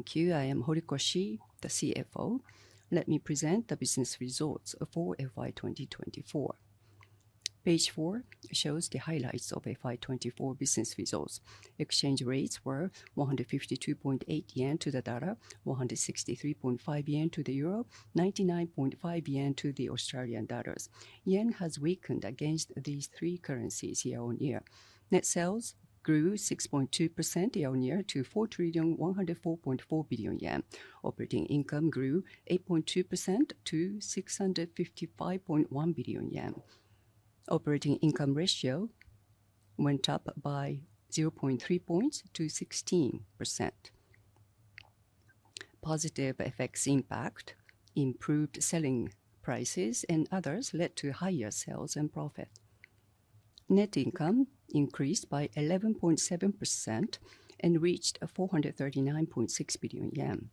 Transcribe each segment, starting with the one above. Thank you. I am Horikoshi, the CFO. Let me present the business results for FY 2024. Page 4 shows the highlights of FY 2024 business results. Exchange rates were 152.8 yen to the dollar, 163.5 yen to the euro, and 99.5 yen to the Australian dollar. Yen has weakened against these three currencies year-on-year. Net sales grew 6.2% year-on-year to 4 trillion 104.4 billion. Operating income grew 8.2% to 655.1 billion yen. Operating income ratio went up by 0.3 percentage points to 16%. Positive effects impact improved selling prices and others led to higher sales and profit. Net income increased by 11.7% and reached 439.6 billion yen.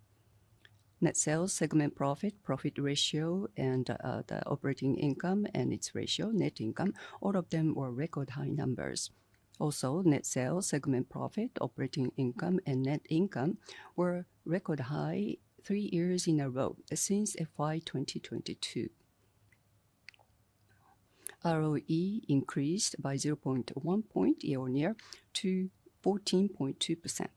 Net sales, segment profit, profit ratio, and the operating income and its ratio, net income, all of them were record high numbers. Also, net sales, segment profit, operating income, and net income were record high three years in a row since FY 2022. ROE increased by 0.1 point year-on-year to 14.2%.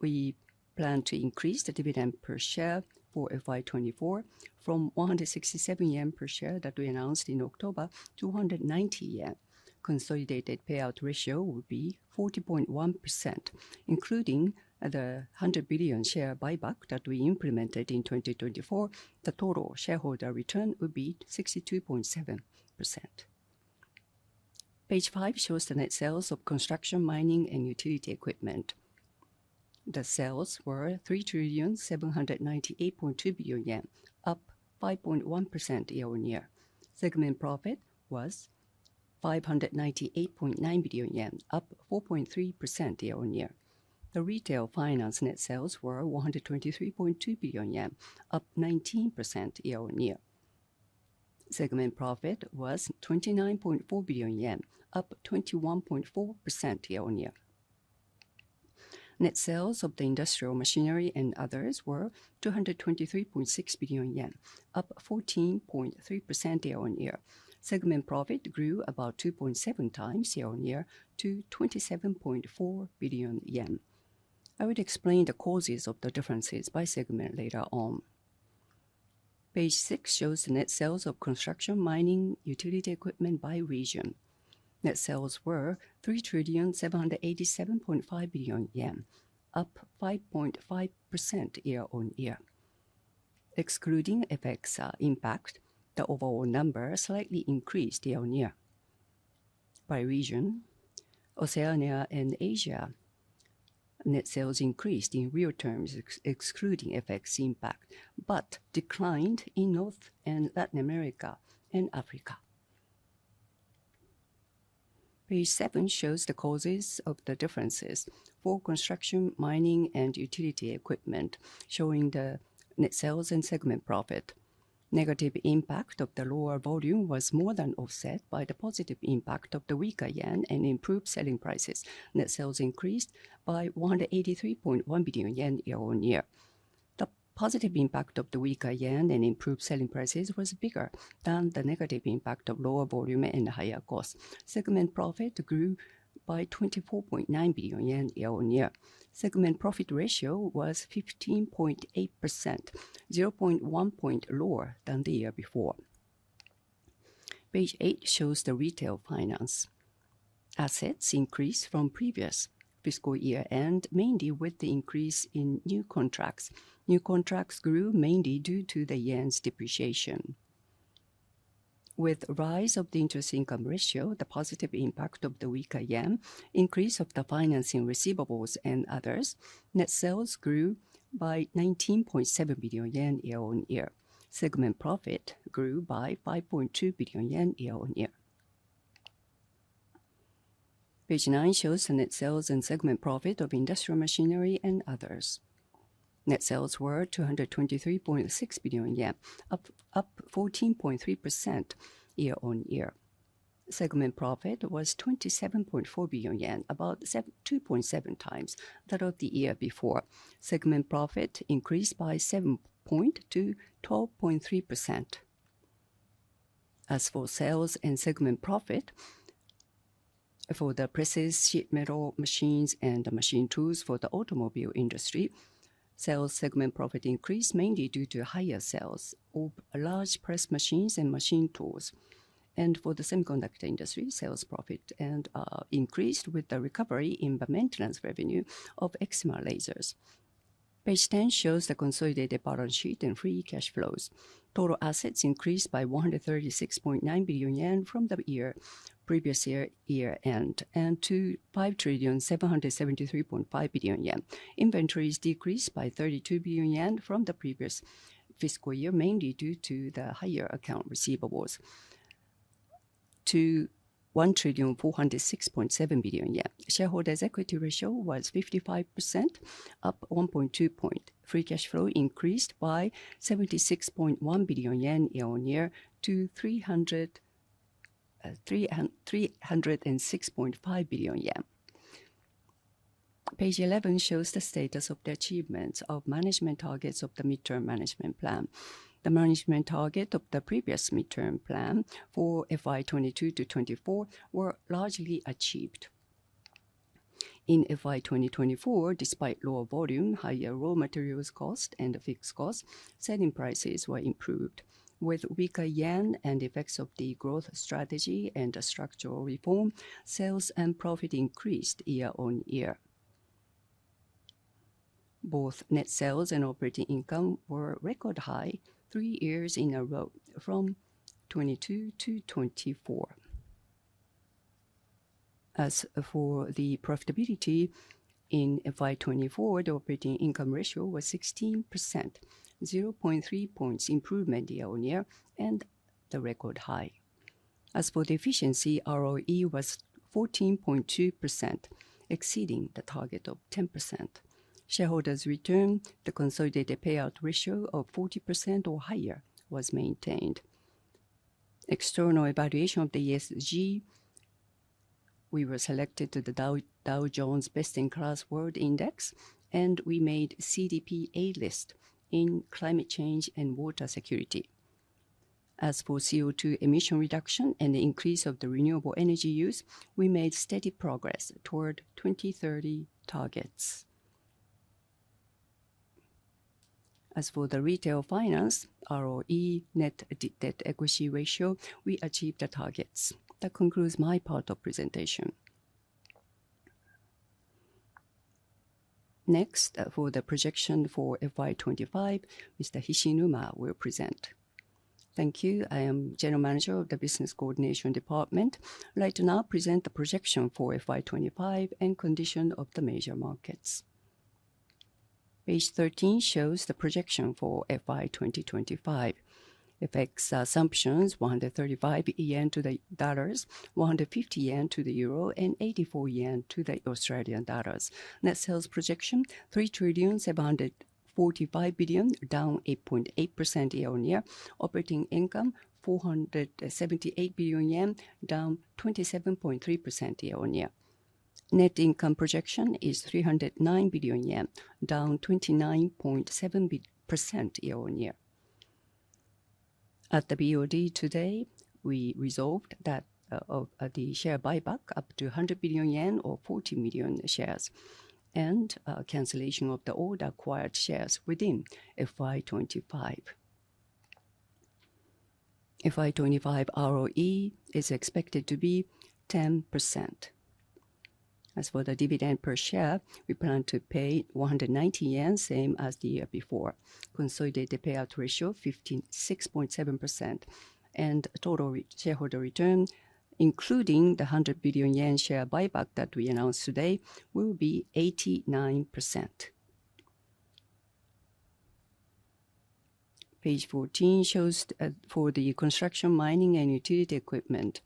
We plan to increase the dividend per share for FY 2024 from 167 yen per share that we announced in October to 190 yen. Consolidated payout ratio will be 40.1%. Including the 100 billion share buyback that we implemented in 2024, the total shareholder return will be 62.7%. Page 5 shows the net sales of construction, mining, and utility equipment. The sales were 3 trillion 798.2 billion, up 5.1% year-on-year. Segment profit was 598.9 billion yen, up 4.3% year-on-year. The retail finance net sales were 123.2 billion yen, up 19% year-on-year. Segment profit was 29.4 billion yen, up 21.4% year-on-year. Net sales of the Industrial Machinery & Others were 223.6 billion yen, up 14.3% year-on-year. Segment profit grew about 2.7x year-on-year to 27.4 billion yen. I will explain the causes of the differences by segment later on. Page 6 shows the net sales of Construction, Mining & Utility Equipment by region. Net sales were 3 trillion 787.5 billion, up 5.5% year-on-year. Excluding FX impact, the overall number slightly increased year-on-year. By region, Oceania and Asia, net sales increased in real terms excluding FX impact, but declined in North and Latin America and Africa. Page 7 shows the causes of the differences for Construction, Mining & Utility Equipment, showing the net sales and segment profit. Negative impact of the lower volume was more than offset by the positive impact of the weaker yen and improved selling prices. Net sales increased by 183.1 billion yen year-on-year. The positive impact of the weaker yen and improved selling prices was bigger than the negative impact of lower volume and higher cost. Segment profit grew by 24.9 billion yen year-on-year. Segment profit ratio was 15.8%, 0.1 percentage point lower than the year before. Page 8 shows the retail finance. Assets increased from previous fiscal year and mainly with the increase in new contracts. New contracts grew mainly due to the yen's depreciation. With rise of the interest income ratio, the positive impact of the weaker yen, increase of the financing receivables, and others, net sales grew by 19.7 billion yen year-on-year. Segment profit grew by 5.2 billion yen year-on-year. Page 9 shows the net sales and segment profit of Industrial Machinery & Others. Net sales were 223.6 billion yen, up 14.3% year-on-year. Segment profit was 27.4 billion yen, about 2.7 times that of the year before. Segment profit increased by 7.2% to 12.3%. As for sales and segment profit for the presses, sheet metal machines, and machine tools for the automobile industry, sales segment profit increased mainly due to higher sales of large press machines and machine tools. For the semiconductor industry, sales profit increased with the recovery in the maintenance revenue of Exima Lasers. Page 10 shows the consolidated balance sheet and free cash flows. Total assets increased by 136.9 billion yen from the previous year end to 5 trillion 773.5 billion. Inventories decreased by 32 billion yen from the previous fiscal year, mainly due to the higher account receivables to 1 trillion 406.7 billion. Shareholders' equity ratio was 55%, up 1.2 percentage points. Free cash flow increased by 76.1 billion yen year-on-year to 306.5 billion yen. Page 11 shows the status of the achievements of management targets of the Mid-Term Management Plan. The management target of the previous Mid-Term Management Plan for FY 2022-FY 2024 were largely achieved. In FY 2024, despite lower volume, higher raw materials cost, and fixed cost, selling prices were improved. With weaker yen and effects of the growth strategy and structural reform, sales and profit increased year-on-year. Both net sales and operating income were record high three years in a row from 2022-2024. As for the profitability in FY 2024, the operating income ratio was 16%, 0.3 percentage points improvement year-on-year and the record high. As for the efficiency, ROE was 14.2%, exceeding the target of 10%. Shareholders' return, the consolidated payout ratio of 40% or higher, was maintained. External evaluation of the ESG, we were selected to the Dow Jones Best in Class World Index, and we made CDP A-List in climate change and water security. As for CO2 emission reduction and the increase of the renewable energy use, we made steady progress toward 2030 targets. As for the retail finance, ROE, net debt equity ratio, we achieved the targets. That concludes my part of presentation. Next, for the projection for FY 2025, Mr. Hishinuma will present. Thank you. I am General Manager of the Business Coordination Department. I'd like to now present the projection for FY 2025 and condition of the major markets. Page 13 shows the projection for FY 2025. FX assumptions: 135 yen to the dollar, JPY 150 to the euro, and 84 yen to the Australian dollar. Net sales projection: 3 trillion 745 billion, down 8.8% year-on-year. Operating income: 478 billion yen, down 27.3% year-on-year. Net income projection is 309 billion yen, down 29.7% year-on-year. At the BOD today, we resolved that of the share buyback up to 100 billion yen or 40 million shares and cancellation of the old acquired shares within FY 2025. FY 2025 ROE is expected to be 10%. As for the dividend per share, we plan to pay 190 yen, same as the year before. Consolidated payout ratio: 56.7%. Total shareholder return, including the 100 billion yen share buyback that we announced today, will be 89%. Page 14 shows for the Construction, Mining & Utility Equipment.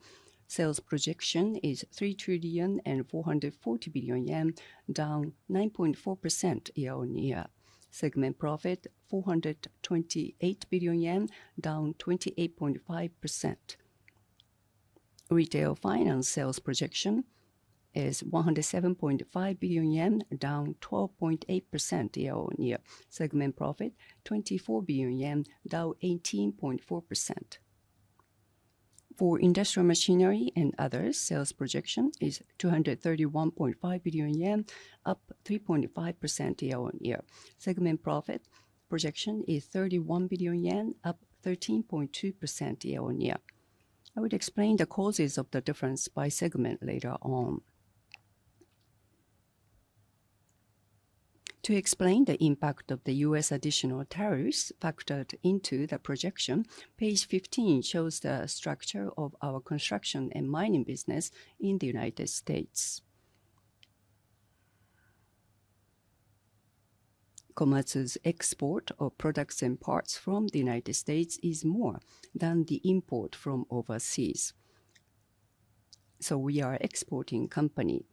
Sales projection is 3 trillion 440 billion, down 9.4% year-on-year. Segment profit: 428 billion yen, down 28.5%. Retail Finance sales projection is 107.5 billion yen, down 12.8% year-on-year. Segment profit: 24 billion yen, down 18.4%. For industrial machinery and others, sales projection is 231.5 billion yen, up 3.5% year-on-year. Segment profit projection is 31 billion yen, up 13.2% year-on-year. I will explain the causes of the difference by segment later on. To explain the impact of the U.S. additional tariffs factored into the projection, page 15 shows the structure of our construction and mining business in the United States. Komatsu's export of products and parts from the United States is more than the import from overseas. We are an exporting company.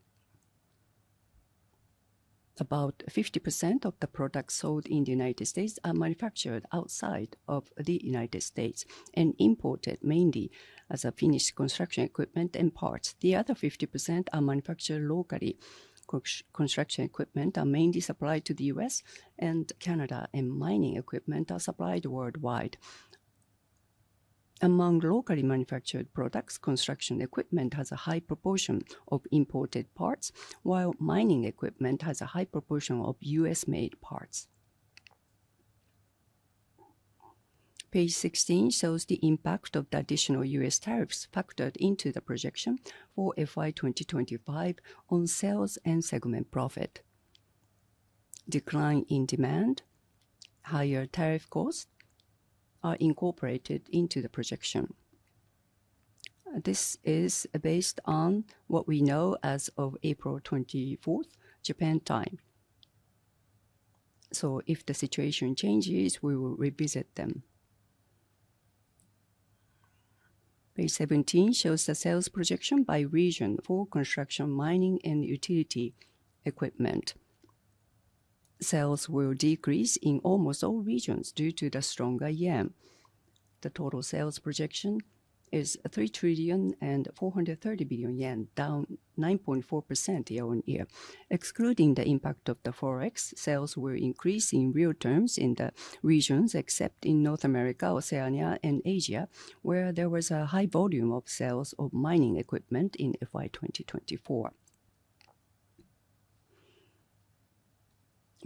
About 50% of the products sold in the United States are manufactured outside of the United States and imported mainly as finished construction equipment and parts. The other 50% are manufactured locally. Construction equipment are mainly supplied to the U.S. and Canada, and mining equipment are supplied worldwide. Among locally manufactured products, construction equipment has a high proportion of imported parts, while mining equipment has a high proportion of US-made parts. Page 16 shows the impact of the additional US tariffs factored into the projection for FY 2025 on sales and segment profit. Decline in demand, higher tariff costs are incorporated into the projection. This is based on what we know as of April 24, Japan time. If the situation changes, we will revisit them. Page 17 shows the sales projection by region for construction, mining, and utility equipment. Sales will decrease in almost all regions due to the stronger yen. The total sales projection is 3 trillion 430 billion, down 9.4% year-on-year. Excluding the impact of the forex, sales will increase in real terms in the regions except in North America, Oceania, and Asia, where there was a high volume of sales of mining equipment in FY 2024.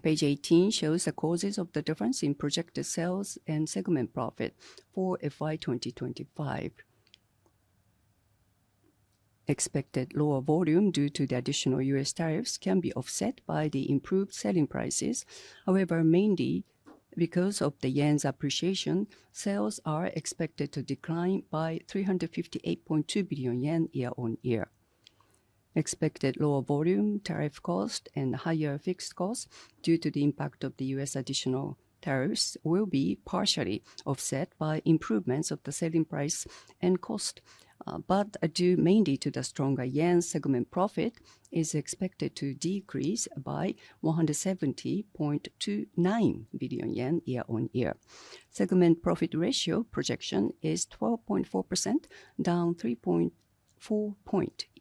Page 18 shows the causes of the difference in projected sales and segment profit for FY 2025. Expected lower volume due to the additional U.S. tariffs can be offset by the improved selling prices. However, mainly because of the yen's appreciation, sales are expected to decline by 358.2 billion yen year-on-year. Expected lower volume, tariff cost, and higher fixed cost due to the impact of the U.S. additional tariffs will be partially offset by improvements of the selling price and cost, but due mainly to the stronger yen, segment profit is expected to decrease by 170.29 billion yen year-on-year. Segment profit ratio projection is 12.4%, down 3.4 percentage points year-on-year.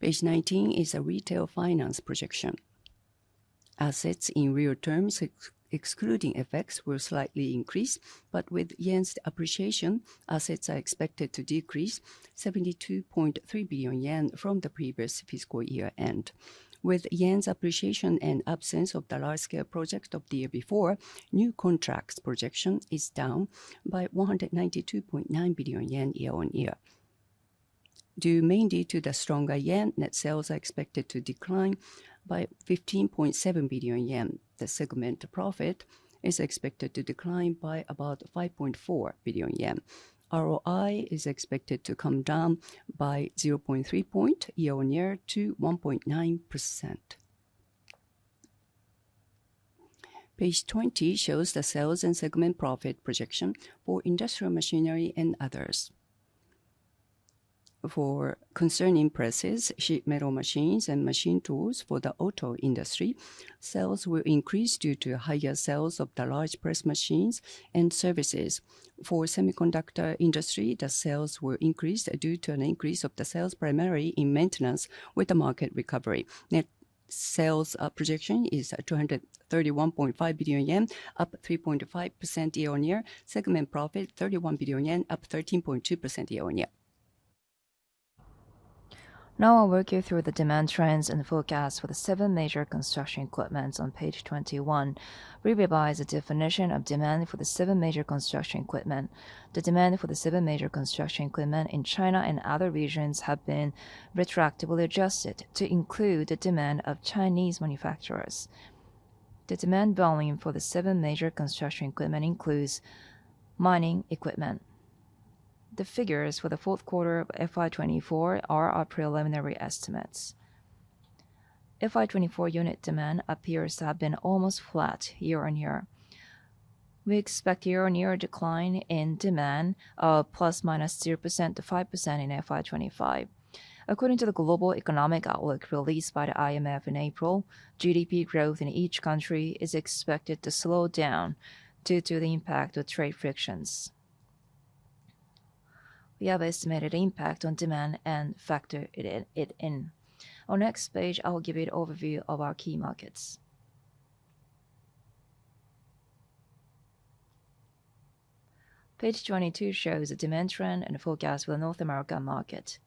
Page 19 is a retail finance projection. Assets in real terms, excluding FX effects, will slightly increase, but with yen's appreciation, assets are expected to decrease 72.3 billion yen from the previous fiscal year end. With yen's appreciation and absence of the large-scale project of the year before, new contracts projection is down by 192.9 billion yen year-on-year. Due mainly to the stronger yen, net sales are expected to decline by 15.7 billion yen. The segment profit is expected to decline by about 5.4 billion yen. ROI is expected to come down by 0.3 percentage points year-on-year to 1.9%. Page 20 shows the sales and segment profit projection for Industrial Machinery & Others. For concerning presses, sheet metal machines, and machine tools for the auto industry, sales will increase due to higher sales of the large press machines and services. For semiconductor industry, the sales will increase due to an increase of the sales primarily in maintenance with the market recovery. Net sales projection is 231.5 billion yen, up 3.5% year-on-year. Segment profit 31 billion yen, up 13.2% year-on-year. Now I'll walk you through the demand trends and forecast for the seven major construction equipment on page 21. We revise the definition of demand for the seven major construction equipment. The demand for the seven major construction equipment in China and other regions has been retractably adjusted to include the demand of Chinese manufacturers. The demand volume for the seven major construction equipment includes mining equipment. The figures for the fourth quarter of FY 2024 are our preliminary estimates. FY 2024 unit demand appears to have been almost flat year-on-year. We expect year-on-year decline in demand of plus minus 0%-5% in FY 2025. According to the global economic outlook released by the IMF in April, GDP growth in each country is expected to slow down due to the impact of trade frictions. We have estimated impact on demand and factored it in. On next page, I'll give you an overview of our key markets. Page 22 shows the demand trend and forecast for the North American market.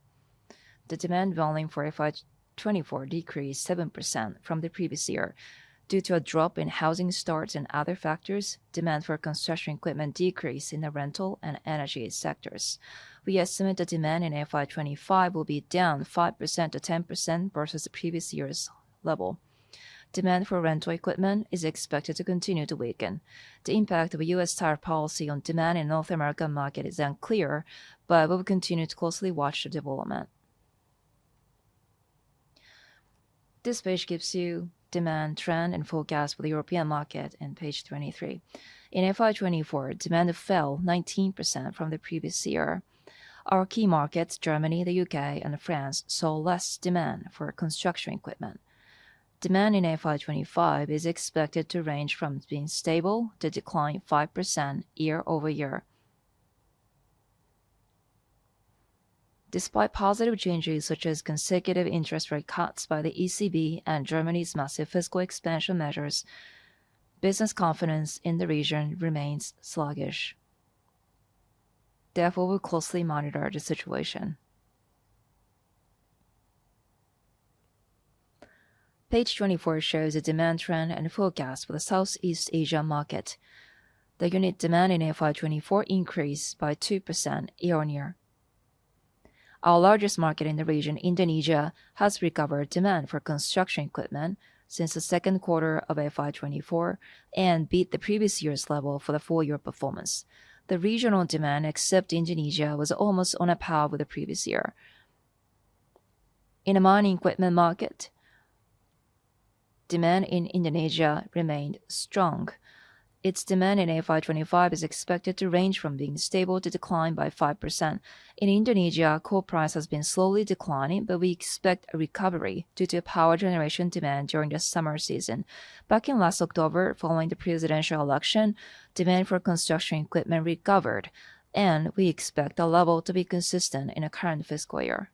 The demand volume for FY 2024 decreased 7% from the previous year due to a drop in housing starts and other factors. Demand for construction equipment decreased in the rental and energy sectors. We estimate the demand in FY 2025 will be down 5%-10% versus the previous year's level. Demand for rental equipment is expected to continue to weaken. The impact of U.S. tariff policy on demand in the North American market is unclear, but we will continue to closely watch the development. This page gives you demand trend and forecast for the European market on page 23. In FY 2024, demand fell 19% from the previous year. Our key markets, Germany, the U.K., and France, saw less demand for construction equipment. Demand in FY 2025 is expected to range from being stable to decline 5% year-over-year. Despite positive changes such as consecutive interest rate cuts by the ECB and Germany's massive fiscal expansion measures, business confidence in the region remains sluggish. Therefore, we'll closely monitor the situation. Page 24 shows the demand trend and forecast for the Southeast Asia market. The unit demand in FY 2024 increased by 2% year-on-year. Our largest market in the region, Indonesia, has recovered demand for construction equipment since the second quarter of FY 2024 and beat the previous year's level for the four-year performance. The regional demand, except Indonesia, was almost on par with the previous year. In the mining equipment market, demand in Indonesia remained strong. Its demand in FY 2025 is expected to range from being stable to decline by 5%. In Indonesia, coal price has been slowly declining, but we expect a recovery due to power generation demand during the summer season. Back in last October, following the presidential election, demand for construction equipment recovered, and we expect the level to be consistent in the current fiscal year.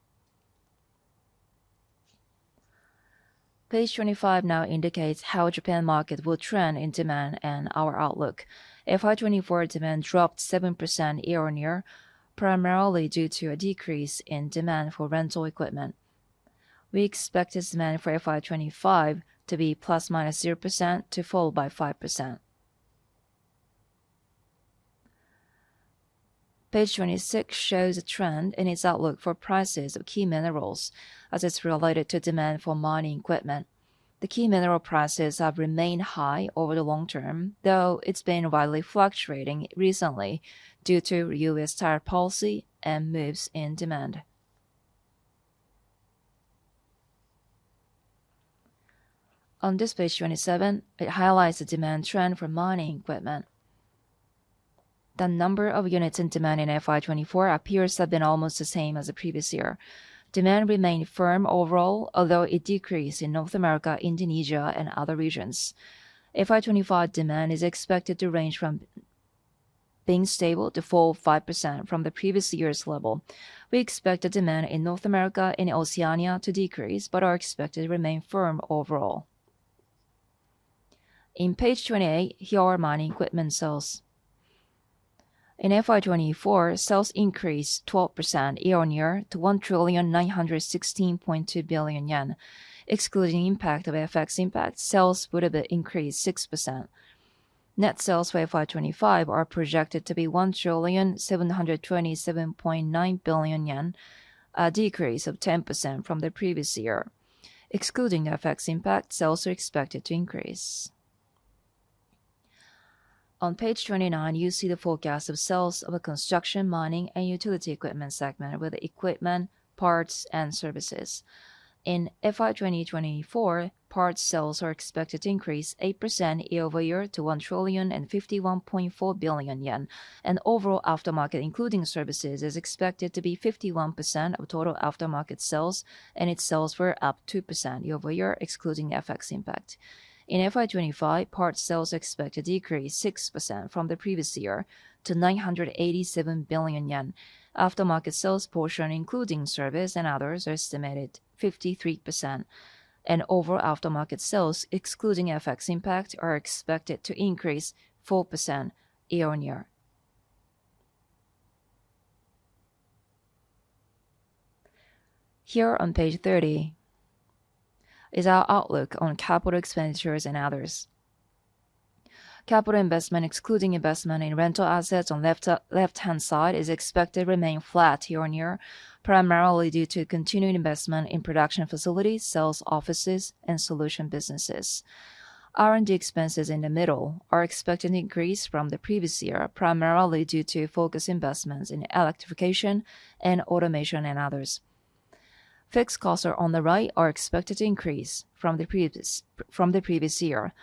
Page 25 now indicates how Japan market will trend in demand and our outlook. FY 2024 demand dropped 7% year-on-year, primarily due to a decrease in demand for rental equipment. We expect its demand for FY 2025 to be ±0% to fall by 5%. Page 26 shows the trend in its outlook for prices of key minerals as it is related to demand for mining equipment. The key mineral prices have remained high over the long term, though it has been widely fluctuating recently due to U.S. tariff policy and moves in demand. On this page 27, it highlights the demand trend for mining equipment. The number of units in demand in FY 2024 appears to have been almost the same as the previous year. Demand remained firm overall, although it decreased in North America, Indonesia, and other regions. FY 2025 demand is expected to range from being stable to fall 5% from the previous year's level. We expect the demand in North America and Oceania to decrease, but are expected to remain firm overall. On page 28, here are mining equipment sales. In FY 2024, sales increased 12% year-on-year to 1 trillion 916.2 billion. Excluding impact of FX, sales would have increased 6%. Net sales for FY 2025 are projected to be 1 trillion 727.9 billion, a decrease of 10% from the previous year. Excluding FX impact, sales are expected to increase. On page 29, you see the forecast of sales of a construction, mining, and utility equipment segment with equipment, parts, and services. In FY 2024, parts sales are expected to increase 8% year-over-year to 1 trillion 51.4 billion. Overall aftermarket, including services, is expected to be 51% of total aftermarket sales, and its sales were up 2% year-over-year, excluding FX impact. In FY 2025, parts sales are expected to decrease 6% from the previous year to JPY 987 billion. Aftermarket sales portion, including service and others, are estimated 53%. Overall aftermarket sales, excluding FX impact, are expected to increase 4% year-on-year. Here on page 30 is our outlook on capital expenditures and others. Capital investment, excluding investment in rental assets on the left-hand side, is expected to remain flat year-on-year, primarily due to continued investment in production facilities, sales offices, and solution businesses. R&D expenses in the middle are expected to increase from the previous year, primarily due to focus investments in electrification and automation and others. Fixed costs on the right are expected to increase from the previous year,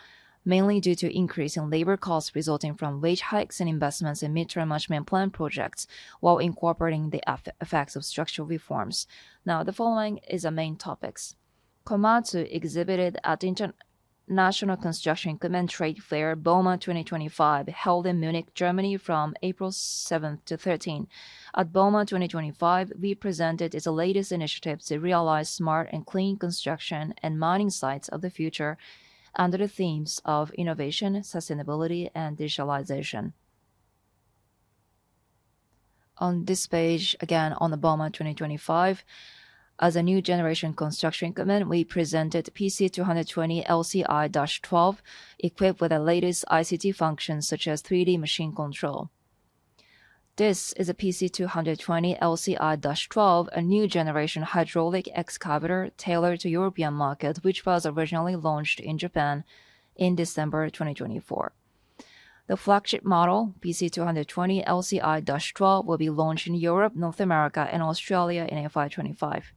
mainly due to increase in labor costs resulting from wage hikes and investments in mid-term management plan projects while incorporating the effects of structural reforms. Now, the following is the main topics. Komatsu exhibited at the International Construction Equipment Trade Fair, Bauma 2025, held in Munich, Germany, from April 7 to 13. At Bauma 2025, we presented its latest initiative to realize smart and clean construction and mining sites of the future under the themes of innovation, sustainability, and digitalization. On this page, again on the Bauma 2025, as a new generation construction equipment, we presented PC220LCI-12, equipped with the latest ICT functions such as 3D machine control. This is a PC220/LCI-12, a new generation hydraulic excavator tailored to the European market, which was originally launched in Japan in December 2024. The flagship model, PC220/LCI-12, will be launched in Europe, North America, and Australia in FY 2025.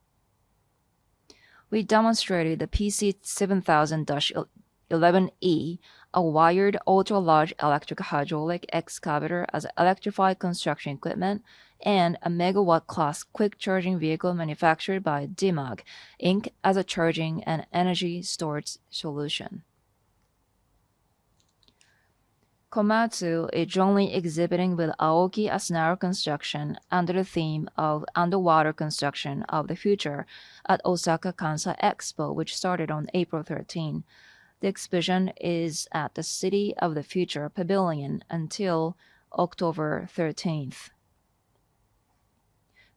We demonstrated the PC7000-11E, a wired ultra-large electric hydraulic excavator as an electrified construction equipment and a megawatt-class quick charging vehicle manufactured by Dimaag Inc. as a charging and energy storage solution. Komatsu is jointly exhibiting with Aoki Asunaro Construction under the theme of Underwater Construction of the Future at Osaka Kansai Expo, which started on April 13. The exhibition is at the City of the Future Pavilion until October 13.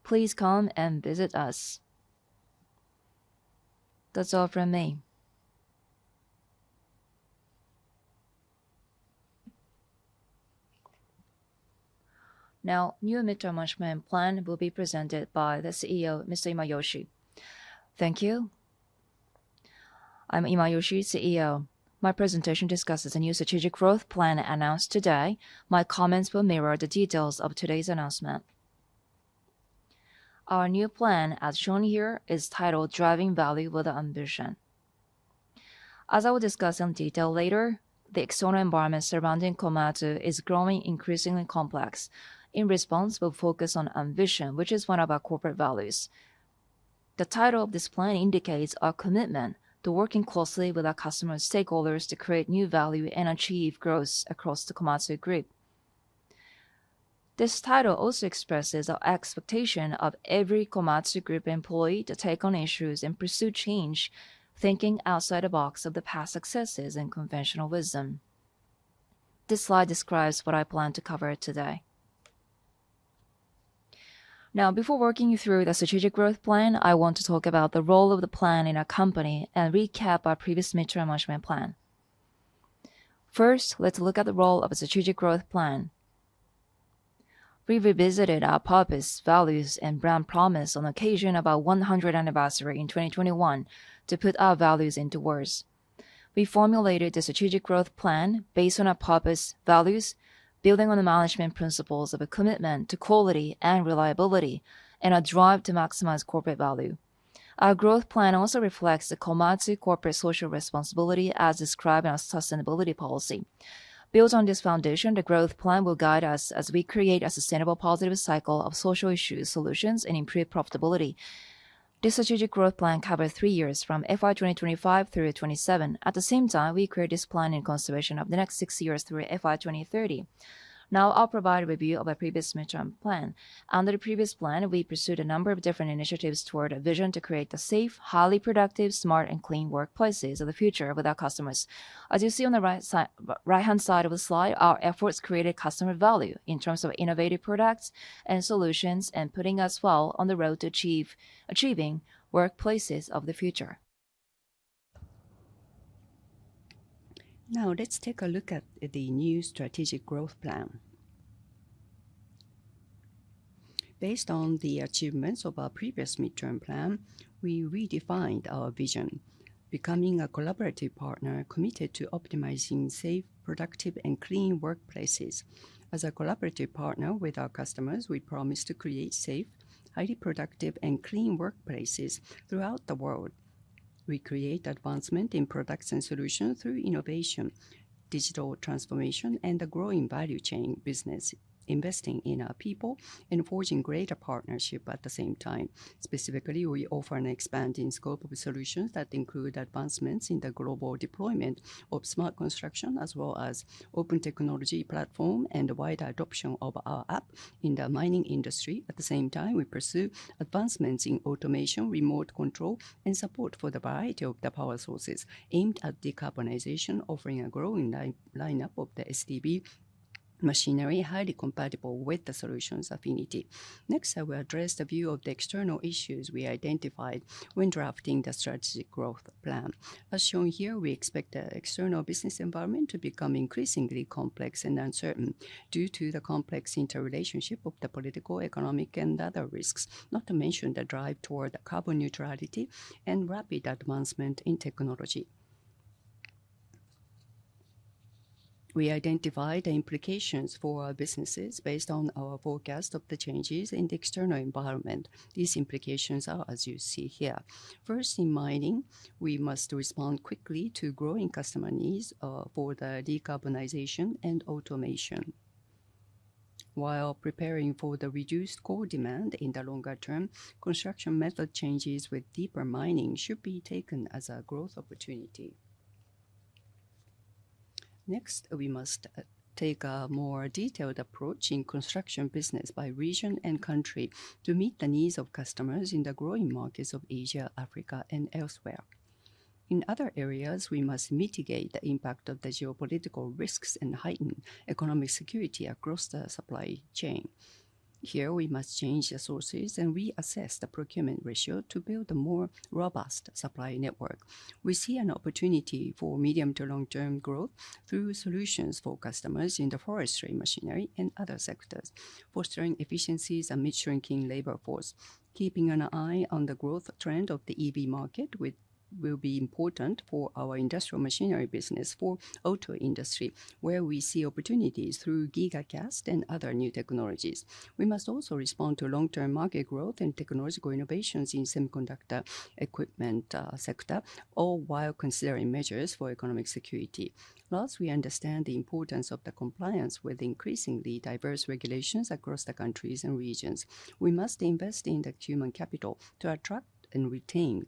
Please come and visit us. That's all from me. Now, new mid-term management plan will be presented by the CEO, Mr. Imayoshi. Thank you. I'm Imayoshi, CEO. My presentation discusses a new strategic growth plan announced today. My comments will mirror the details of today's announcement. Our new plan, as shown here, is titled Driving Value with Ambition. As I will discuss in detail later, the external environment surrounding Komatsu is growing increasingly complex. In response, we'll focus on ambition, which is one of our corporate values. The title of this plan indicates our commitment to working closely with our customers, stakeholders, to create new value and achieve growth across the Komatsu group. This title also expresses our expectation of every Komatsu group employee to take on issues and pursue change, thinking outside the box of the past successes and conventional wisdom. This slide describes what I plan to cover today. Now, before walking you through the strategic growth plan, I want to talk about the role of the plan in our company and recap our previous mid-term management plan. First, let's look at the role of a strategic growth plan. We revisited our purpose, values, and brand promise on occasion of our 100th anniversary in 2021 to put our values into words. We formulated the strategic growth plan based on our purpose, values, building on the management principles of a commitment to quality and reliability, and a drive to maximize corporate value. Our growth plan also reflects the Komatsu corporate social responsibility as described in our sustainability policy. Built on this foundation, the growth plan will guide us as we create a sustainable positive cycle of social issue solutions and improved profitability. This strategic growth plan covers three years from FY 2025 through 2027. At the same time, we create this plan in consideration of the next six years through FY 2030. Now, I'll provide a review of our previous mid-term plan. Under the previous plan, we pursued a number of different initiatives toward a vision to create safe, highly productive, smart, and clean workplaces of the future with our customers. As you see on the right-hand side of the slide, our efforts created customer value in terms of innovative products and solutions and putting us well on the road to achieving workplaces of the future. Now, let's take a look at the new strategic growth plan. Based on the achievements of our previous mid-term plan, we redefined our vision, becoming a collaborative partner committed to optimizing safe, productive, and clean workplaces. As a collaborative partner with our customers, we promise to create safe, highly productive, and clean workplaces throughout the world. We create advancement in products and solutions through innovation, digital transformation, and a growing value chain business, investing in our people and forging greater partnership at the same time. Specifically, we offer an expanding scope of solutions that include advancements in the global deployment of smart construction as well as open technology platform and wider adoption of our app in the mining industry. At the same time, we pursue advancements in automation, remote control, and support for the variety of power sources aimed at decarbonization, offering a growing lineup of the SDB machinery highly compatible with the solutions affinity. Next, I will address the view of the external issues we identified when drafting the strategic growth plan. As shown here, we expect the external business environment to become increasingly complex and uncertain due to the complex interrelationship of the political, economic, and other risks, not to mention the drive toward carbon neutrality and rapid advancement in technology. We identified the implications for our businesses based on our forecast of the changes in the external environment. These implications are, as you see here. First, in mining, we must respond quickly to growing customer needs for the decarbonization and automation. While preparing for the reduced core demand in the longer term, construction method changes with deeper mining should be taken as a growth opportunity. Next, we must take a more detailed approach in construction business by region and country to meet the needs of customers in the growing markets of Asia, Africa, and elsewhere. In other areas, we must mitigate the impact of the geopolitical risks and heighten economic security across the supply chain. Here, we must change the sources and reassess the procurement ratio to build a more robust supply network. We see an opportunity for medium to long-term growth through solutions for customers in the forestry, machinery, and other sectors, fostering efficiencies and mid-shrinking labor force. Keeping an eye on the growth trend of the EV market will be important for our industrial machinery business for auto industry, where we see opportunities through Gigacast and other new technologies. We must also respond to long-term market growth and technological innovations in semiconductor equipment sector all while considering measures for economic security. Last, we understand the importance of compliance with increasingly diverse regulations across the countries and regions. We must invest in the human capital to attract and retain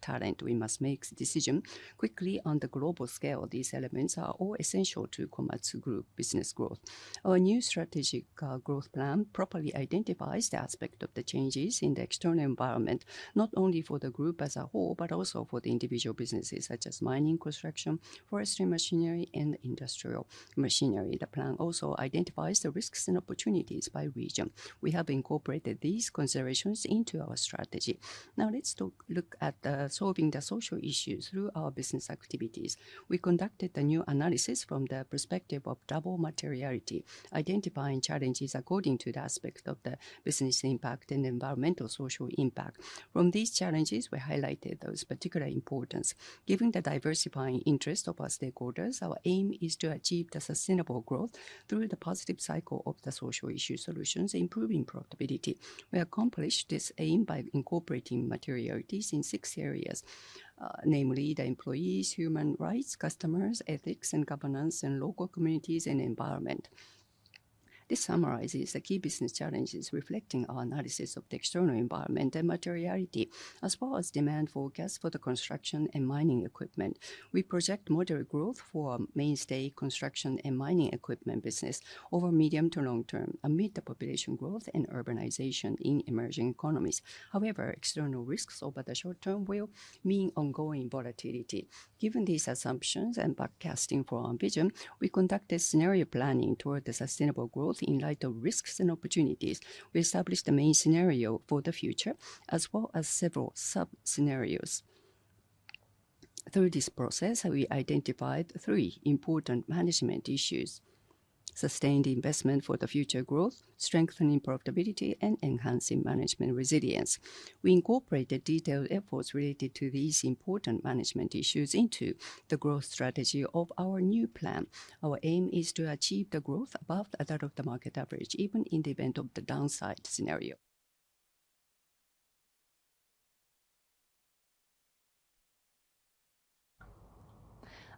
talent. We must make decisions quickly on the global scale. These elements are all essential to Komatsu Group business growth. Our new strategic growth plan properly identifies the aspect of the changes in the external environment, not only for the group as a whole, but also for the individual businesses such as mining, construction, forestry, machinery, and industrial machinery. The plan also identifies the risks and opportunities by region. We have incorporated these considerations into our strategy. Now, let's look at solving the social issues through our business activities. We conducted a new analysis from the perspective of double materiality, identifying challenges according to the aspect of the business impact and environmental social impact. From these challenges, we highlighted those of particular importance. Given the diversifying interest of our stakeholders, our aim is to achieve sustainable growth through the positive cycle of the social issue solutions, improving profitability. We accomplished this aim by incorporating materialities in six areas, namely employees, human rights, customers, ethics and governance, and local communities and environment. This summarizes the key business challenges reflecting our analysis of the external environment and materiality, as well as demand forecasts for the construction and mining equipment. We project moderate growth for mainstay construction and mining equipment business over medium to long term, amid the population growth and urbanization in emerging economies. However, external risks over the short term will mean ongoing volatility. Given these assumptions and forecasting for our vision, we conducted scenario planning toward the sustainable growth in light of risks and opportunities. We established the main scenario for the future, as well as several sub-scenarios. Through this process, we identified three important management issues: sustained investment for the future growth, strengthening profitability, and enhancing management resilience. We incorporated detailed efforts related to these important management issues into the growth strategy of our new plan. Our aim is to achieve the growth above that of the market average, even in the event of the downside scenario.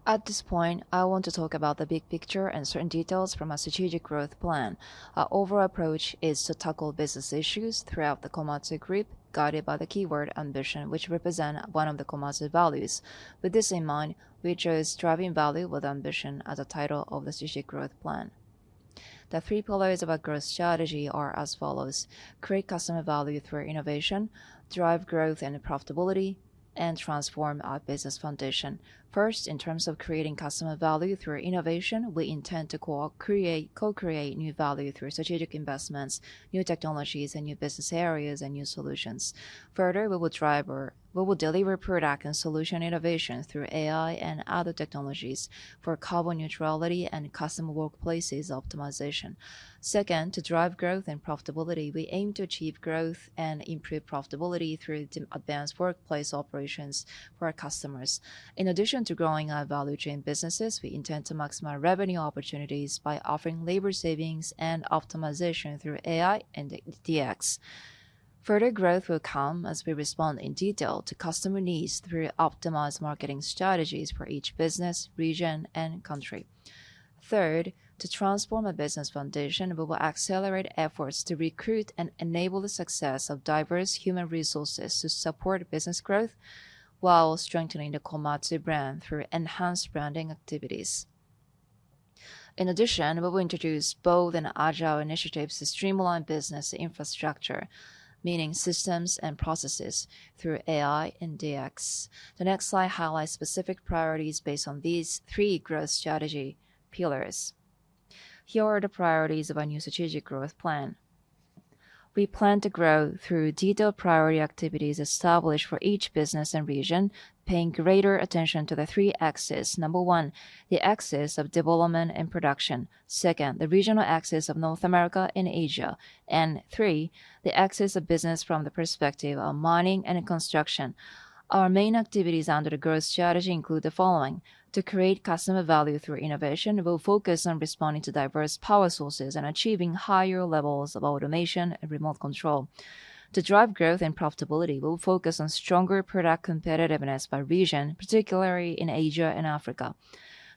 At this point, I want to talk about the big picture and certain details from our strategic growth plan. Our overall approach is to tackle business issues throughout the Komatsu group, guided by the keyword ambition, which represents one of the Komatsu values. With this in mind, we chose Driving Value with Ambition as the title of the strategic growth plan. The three pillars of our growth strategy are as follows: create customer value through innovation, drive growth and profitability, and transform our business foundation. First, in terms of creating customer value through innovation, we intend to co-create new value through strategic investments, new technologies, and new business areas and new solutions. Further, we will deliver product and solution innovation through AI and other technologies for carbon neutrality and customer workplaces optimization. Second, to drive growth and profitability, we aim to achieve growth and improve profitability through advanced workplace operations for our customers. In addition to growing our value chain businesses, we intend to maximize revenue opportunities by offering labor savings and optimization through AI and DX. Further growth will come as we respond in detail to customer needs through optimized marketing strategies for each business, region, and country. Third, to transform a business foundation, we will accelerate efforts to recruit and enable the success of diverse human resources to support business growth while strengthening the Komatsu brand through enhanced branding activities. In addition, we will introduce bold and agile initiatives to streamline business infrastructure, meaning systems and processes, through AI and DX. The next slide highlights specific priorities based on these three growth strategy pillars. Here are the priorities of our new strategic growth plan. We plan to grow through detailed priority activities established for each business and region, paying greater attention to the three axes. Number one, the axis of development and production. Second, the regional axis of North America and Asia. Three, the axis of business from the perspective of mining and construction. Our main activities under the growth strategy include the following: to create customer value through innovation, we will focus on responding to diverse power sources and achieving higher levels of automation and remote control. To drive growth and profitability, we will focus on stronger product competitiveness by region, particularly in Asia and Africa.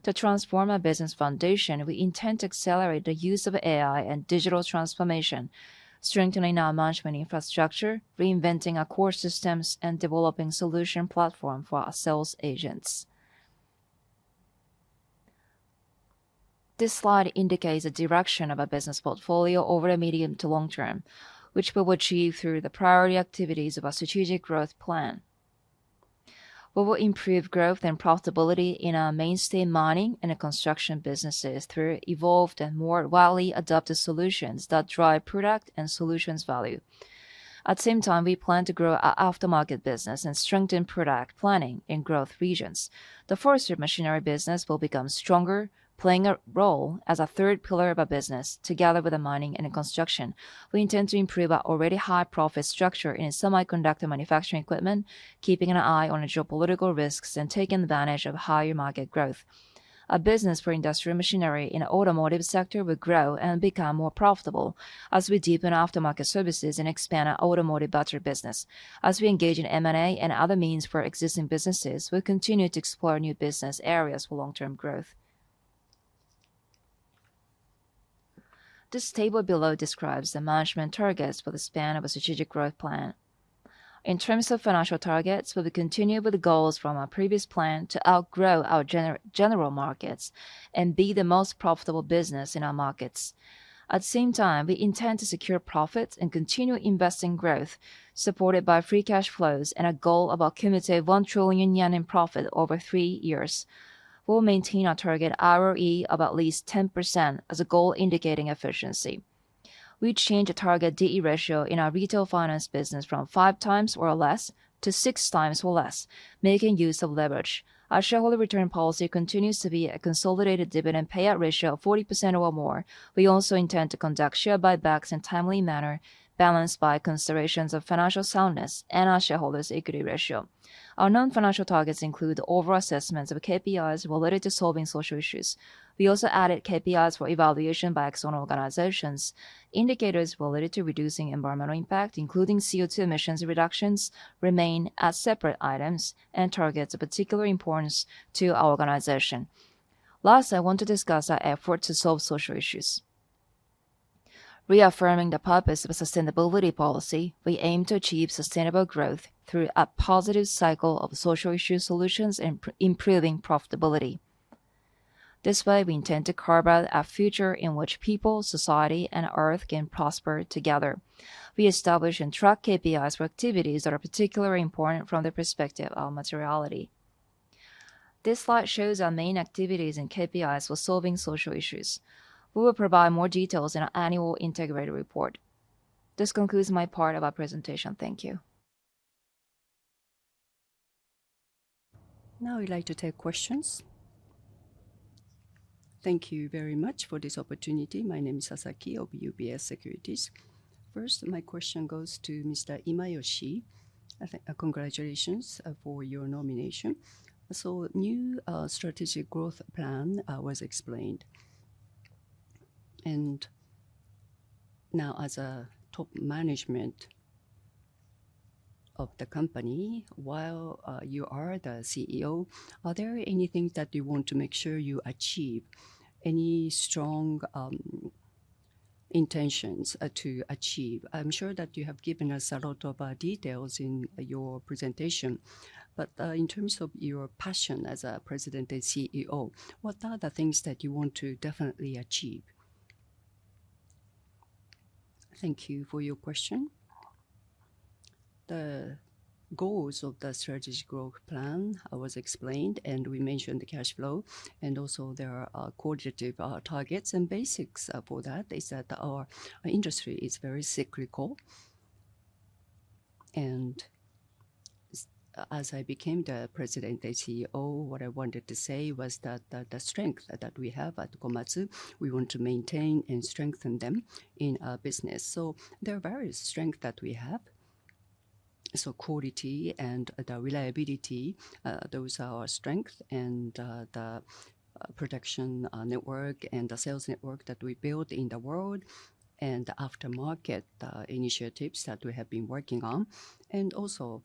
To transform our business foundation, we intend to accelerate the use of AI and digital transformation, strengthening our management infrastructure, reinventing our core systems, and developing solution platforms for our sales agents. This slide indicates the direction of our business portfolio over the medium to long term, which we will achieve through the priority activities of our strategic growth plan. We will improve growth and profitability in our mainstay mining and construction businesses through evolved and more widely adopted solutions that drive product and solutions value. At the same time, we plan to grow our aftermarket business and strengthen product planning in growth regions. The forestry machinery business will become stronger, playing a role as a third pillar of our business, together with mining and construction. We intend to improve our already high-profit structure in semiconductor manufacturing equipment, keeping an eye on geopolitical risks and taking advantage of higher market growth. Our business for industrial machinery in the automotive sector will grow and become more profitable as we deepen aftermarket services and expand our automotive battery business. As we engage in M&A and other means for existing businesses, we'll continue to explore new business areas for long-term growth. This table below describes the management targets for the span of a strategic growth plan. In terms of financial targets, we will continue with the goals from our previous plan to outgrow our general markets and be the most profitable business in our markets. At the same time, we intend to secure profits and continue investing growth, supported by free cash flows and a goal of a cumulative 1 trillion yen in profit over three years. We will maintain our target ROE of at least 10% as a goal indicating efficiency. We change the target D/E ratio in our retail finance business from five times or less to six times or less, making use of leverage. Our shareholder return policy continues to be a consolidated dividend payout ratio of 40% or more. We also intend to conduct share buybacks in a timely manner, balanced by considerations of financial soundness and our shareholders' equity ratio. Our non-financial targets include overall assessments of KPIs related to solving social issues. We also added KPIs for evaluation by external organizations. Indicators related to reducing environmental impact, including CO2 emissions reductions, remain as separate items and targets of particular importance to our organization. Last, I want to discuss our effort to solve social issues. Reaffirming the purpose of a sustainability policy, we aim to achieve sustainable growth through a positive cycle of social issue solutions and improving profitability. This way, we intend to carve out a future in which people, society, and Earth can prosper together. We establish and track KPIs for activities that are particularly important from the perspective of materiality. This slide shows our main activities and KPIs for solving social issues. We will provide more details in our annual integrated report. This concludes my part of our presentation. Thank you. Now, we'd like to take questions. Thank you very much for this opportunity. My name is Sasaki of UBS Securities. First, my question goes to Mr. Imayoshi. Congratulations for your nomination. A new strategic growth plan was explained. Now, as a top management of the company, while you are the CEO, are there any things that you want to make sure you achieve? Any strong intentions to achieve? I'm sure that you have given us a lot of details in your presentation, but in terms of your passion as a president and CEO, what are the things that you want to definitely achieve? Thank you for your question. The goals of the strategic growth plan were explained, and we mentioned the cash flow, and also there are qualitative targets and basics for that. They said that our industry is very cyclical. As I became the President and CEO, what I wanted to say was that the strengths that we have at Komatsu, we want to maintain and strengthen them in our business. There are various strengths that we have. Quality and reliability, those are our strengths, and the production network and the sales network that we built in the world, and the aftermarket initiatives that we have been working on. Also,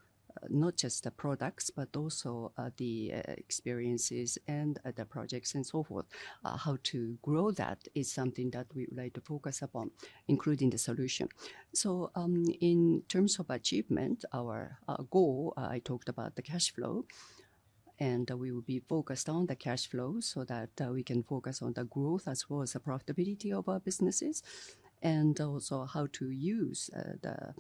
not just the products, but also the experiences and the projects and so forth. How to grow that is something that we would like to focus upon, including the solution. In terms of achievement, our goal, I talked about the cash flow, and we will be focused on the cash flow so that we can focus on the growth as well as the profitability of our businesses, and also how to use the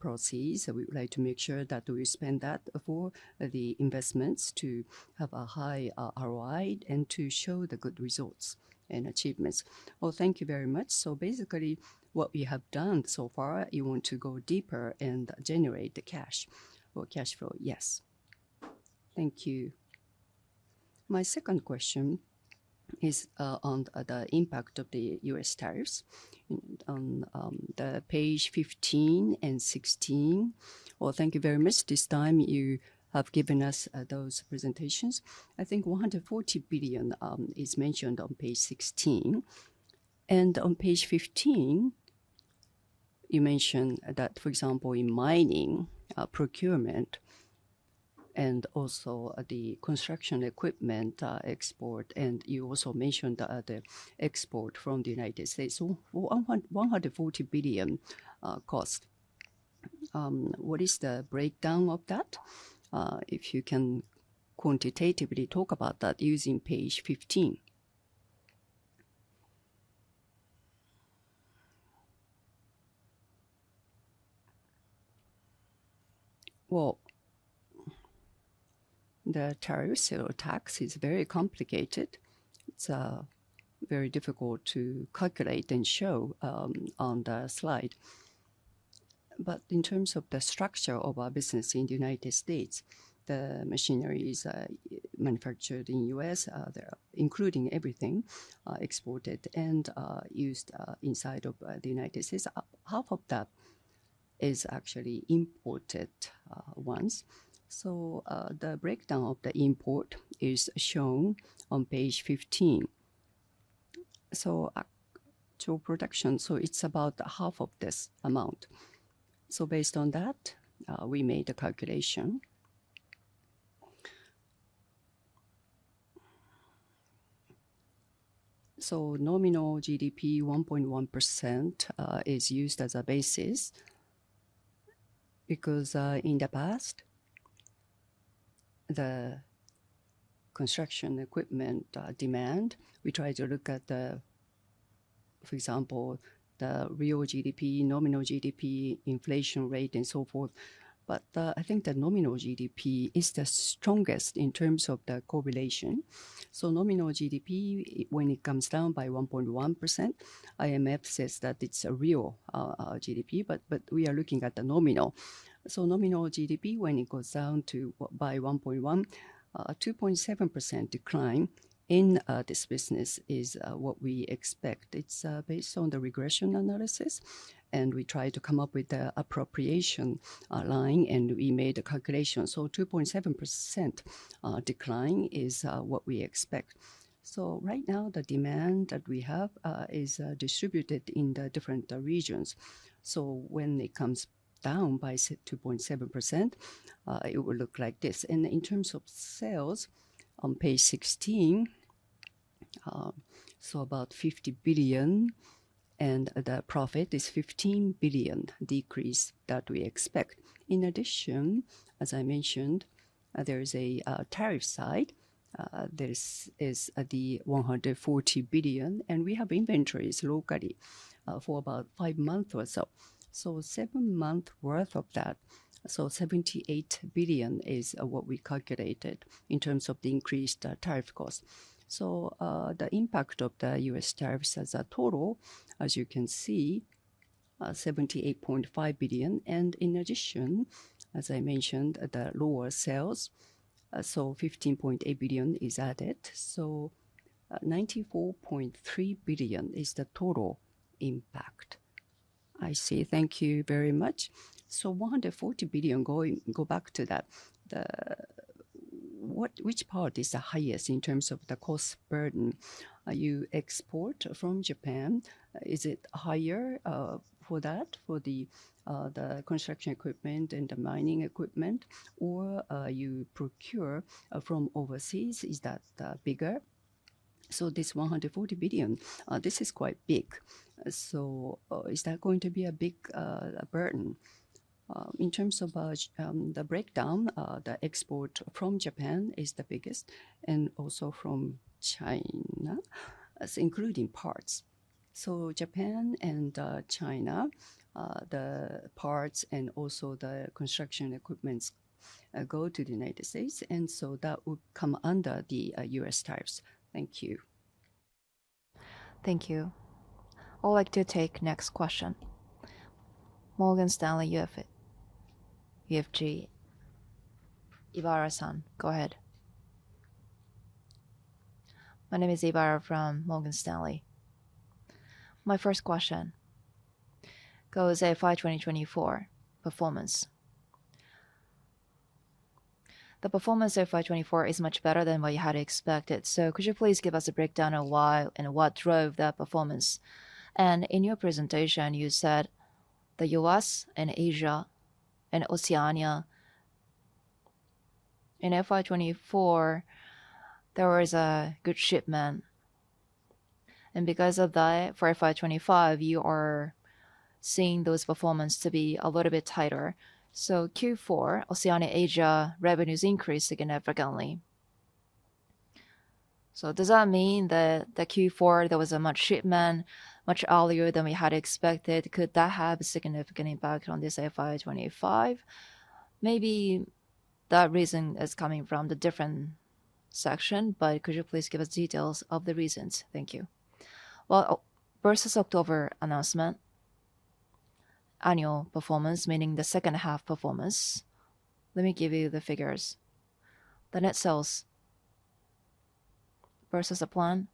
proceeds. We would like to make sure that we spend that for the investments to have a high ROI and to show the good results and achievements. Thank you very much. Basically, what we have done so far, you want to go deeper and generate the cash or cash flow. Yes. Thank you. My second question is on the impact of the U.S. tariffs on page 15 and 16. Thank you very much. This time, you have given us those presentations. I think $140 billion is mentioned on page 16. On page 15, you mentioned that, for example, in mining, procurement, and also the construction equipment export, and you also mentioned the export from the United States. $140 billion cost. What is the breakdown of that? If you can quantitatively talk about that using page 15. The tariffs or tax is very complicated. It's very difficult to calculate and show on the slide. In terms of the structure of our business in the United States, the machinery is manufactured in the U.S., including everything exported and used inside of the United States. Half of that is actually imported ones. The breakdown of the import is shown on page 15. Actual production, so it's about half of this amount. Based on that, we made a calculation. Nominal GDP 1.1% is used as a basis because in the past, the construction equipment demand, we tried to look at the, for example, the real GDP, nominal GDP, inflation rate, and so forth. I think the nominal GDP is the strongest in terms of the correlation. Nominal GDP, when it comes down by 1.1%, IMF says that it is a real GDP, but we are looking at the nominal. Nominal GDP, when it goes down by 1.1%, a 2.7% decline in this business is what we expect. It is based on the regression analysis, and we tried to come up with the appropriation line, and we made a calculation. A 2.7% decline is what we expect. Right now, the demand that we have is distributed in the different regions. When it comes down by 2.7%, it will look like this. In terms of sales, on page 16, about 50 billion, and the profit is a 15 billion decrease that we expect. In addition, as I mentioned, there is a tariff side. This is the 140 billion, and we have inventories locally for about five months or so. Seven months' worth of that, so 78 billion is what we calculated in terms of the increased tariff cost. The impact of the U.S. tariffs as a total, as you can see, is 78.5 billion. In addition, as I mentioned, the lower sales, so 15.8 billion is added. 94.3 billion is the total impact. I see. Thank you very much. 140 billion, going back to that, which part is the highest in terms of the cost burden? You export from Japan. Is it higher for that, for the construction equipment and the mining equipment, or you procure from overseas? Is that bigger? This 140 billion, this is quite big. Is that going to be a big burden? In terms of the breakdown, the export from Japan is the biggest, and also from China, including parts. Japan and China, the parts and also the construction equipment go to the United States, and that would come under the US tariffs. Thank you. Thank you. I would like to take the next question. Morgan Stanley MUFG. Ibara San, go ahead. My name is Ibara from Morgan Stanley. My first question goes to FY 2024 performance. The performance of FY 2024 is much better than what you had expected. Could you please give us a breakdown of why and what drove that performance? In your presentation, you said the U.S. and Asia and Oceania. In FY 2024, there was good shipment. Because of that, for FY 2025, you are seeing those performances to be a little bit tighter. Q4, Oceania Asia revenues increased significantly. Does that mean that in Q4, there was much shipment, much earlier than we had expected? Could that have a significant impact on this FY 2025? Maybe that reason is coming from the different section, but could you please give us details of the reasons? Thank you. Versus October announcement, annual performance, meaning the second-half performance. Let me give you the figures. The net sales versus the plan,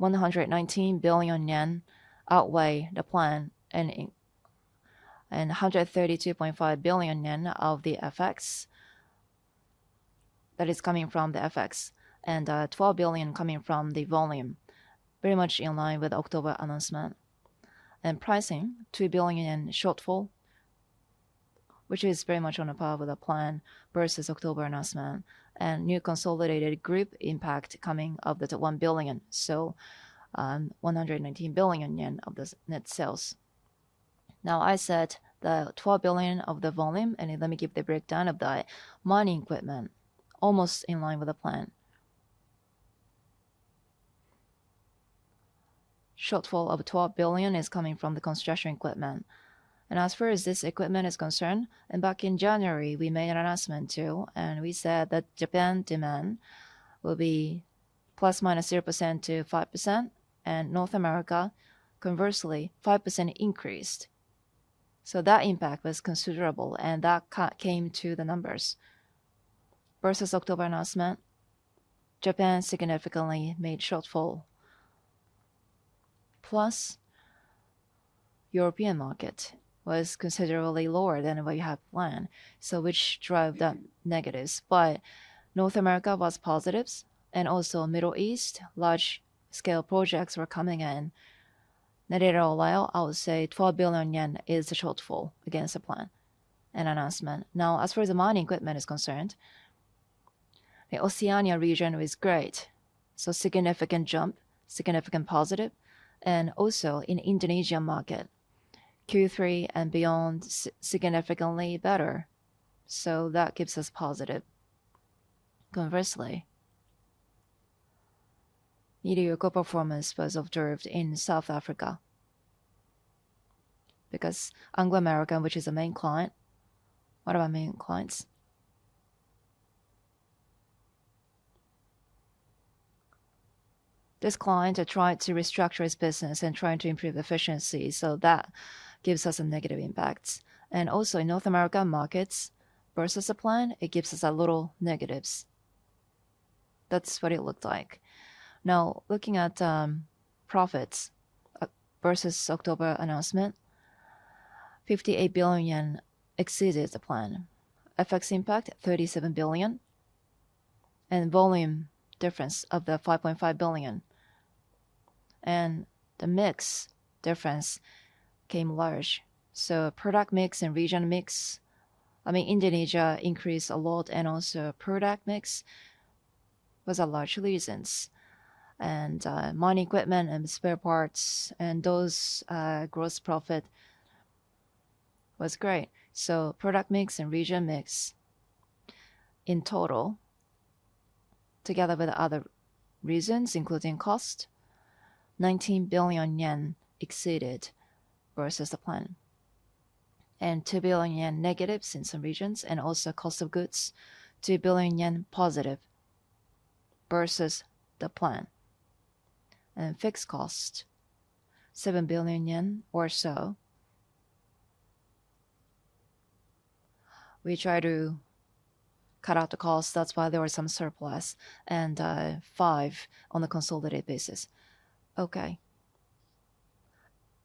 119 billion yen outweigh the plan, and 132.5 billion yen of the FX that is coming from the FX, and 12 billion coming from the volume, pretty much in line with October announcement. Pricing, 2 billion yen shortfall, which is very much on par with the plan versus October announcement, and new consolidated group impact coming of the 1 billion, so 119 billion yen of the net sales. I said the 12 billion of the volume, and let me give the breakdown of the mining equipment, almost in line with the plan. Shortfall of 12 billion is coming from the construction equipment. As far as this equipment is concerned, back in January, we made an announcement too, and we said that Japan demand will be plus ±0% to 5%, and North America, conversely, 5% increased. That impact was considerable, and that came to the numbers. Versus October announcement, Japan significantly made shortfall. Plus, European market was considerably lower than what you had planned, which drove the negatives. North America was positive, and also Middle East, large-scale projects were coming in. Net error allowed, I would say 12 billion yen is a shortfall against the plan and announcement. Now, as far as the mining equipment is concerned, the Oceania region was great. Significant jump, significant positive. Also in Indonesia market, Q3 and beyond, significantly better. That gives us positive. Conversely, mediocre performance was observed in South Africa because Anglo American, which is a main client. What are our main clients? This client tried to restructure his business and tried to improve efficiency. That gives us a negative impact. Also in North America markets, versus the plan, it gives us a little negatives. That's what it looked like. Now, looking at profits versus October announcement, 58 billion yen exceeded the plan. FX impact, 37 billion, and volume difference of the 5.5 billion. The mix difference came large. Product mix and region mix, I mean, Indonesia increased a lot, and also product mix was a large reason. Mining equipment and spare parts and those gross profit was great. Product mix and region mix in total, together with other reasons, including cost, 19 billion yen exceeded versus the plan. 2 billion yen negative in some regions, and also cost of goods, 2 billion yen positive versus the plan. Fixed cost, 7 billion yen or so. We tried to cut out the cost. That is why there was some surplus, and five on the consolidated basis. Okay.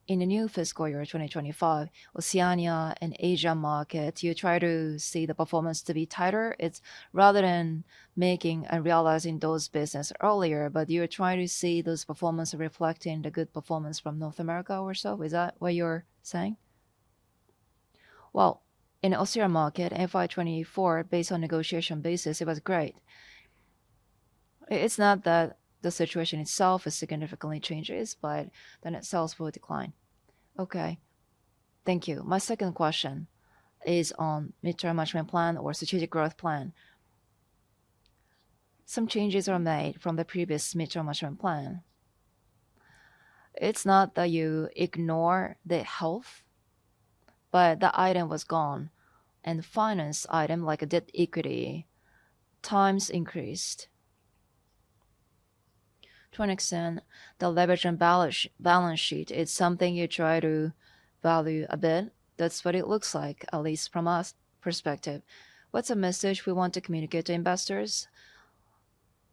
In the new fiscal year 2025, Oceania and Asia market, you try to see the performance to be tighter. It's rather than making and realizing those businesses earlier, but you're trying to see those performances reflecting the good performance from North America or so. Is that what you're saying? In the OSEA market, FY 2024, based on negotiation basis, it was great. It's not that the situation itself is significantly changed, but the net sales will decline. Okay. Thank you. My second question is on mid-term management plan or strategic growth plan. Some changes were made from the previous mid-term management plan. It's not that you ignore the health, but the item was gone. And the finance item, like a debt equity, times increased. To an extent, the leverage and balance sheet is something you try to value a bit. That's what it looks like, at least from our perspective. What's the message we want to communicate to investors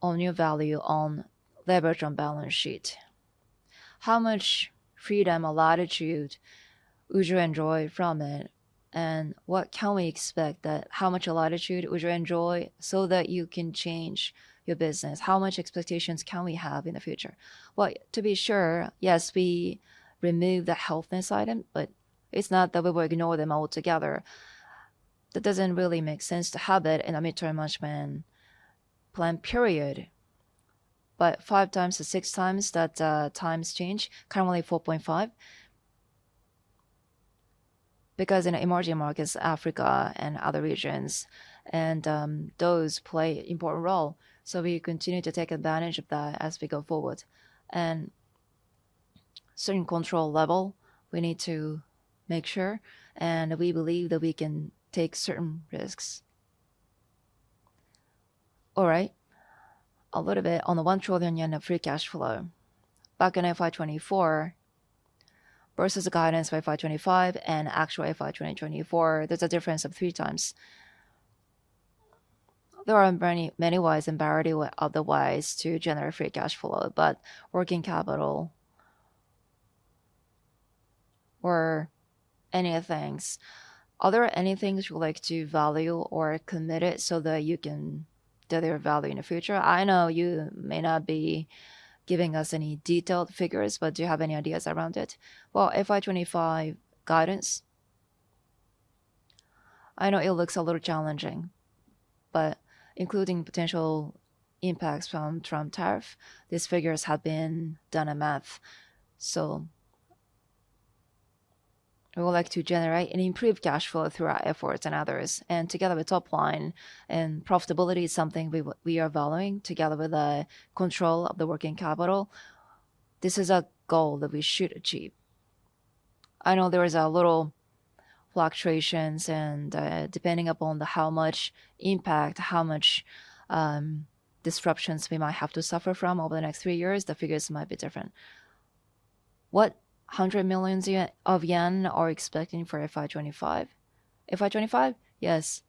on your value on leverage and balance sheet? How much freedom, latitude, would you enjoy from it? And what can we expect that how much latitude would you enjoy so that you can change your business? How much expectations can we have in the future? To be sure, yes, we remove the healthness item, but it's not that we will ignore them altogether. That doesn't really make sense to have it in a Mid-Term Management Plan period. Five times to six times that times change, currently 4.5, because in emerging markets, Africa and other regions, and those play an important role. We continue to take advantage of that as we go forward. At a certain control level, we need to make sure, and we believe that we can take certain risks. All right. A little bit on the 1 trillion yen of free cash flow. Back in FY 2024, versus the guidance for FY 2025 and actual FY 2024, there's a difference of 3x. There are many ways and barriers otherwise to generate free cash flow, but working capital or any of the things. Are there any things you'd like to value or commit it so that you can do their value in the future? I know you may not be giving us any detailed figures, but do you have any ideas around it? FY 2025 guidance, I know it looks a little challenging, but including potential impacts from Trump tariff, these figures have been done in math. We would like to generate and improve cash flow through our efforts and others. Together with top line and profitability, something we are valuing together with the control of the working capital. This is a goal that we should achieve. I know there is a little fluctuation, and depending upon how much impact, how much disruptions we might have to suffer from over the next three years, the figures might be different. What 100 million yen are we expecting for FY 2025? FY 2025, Yes.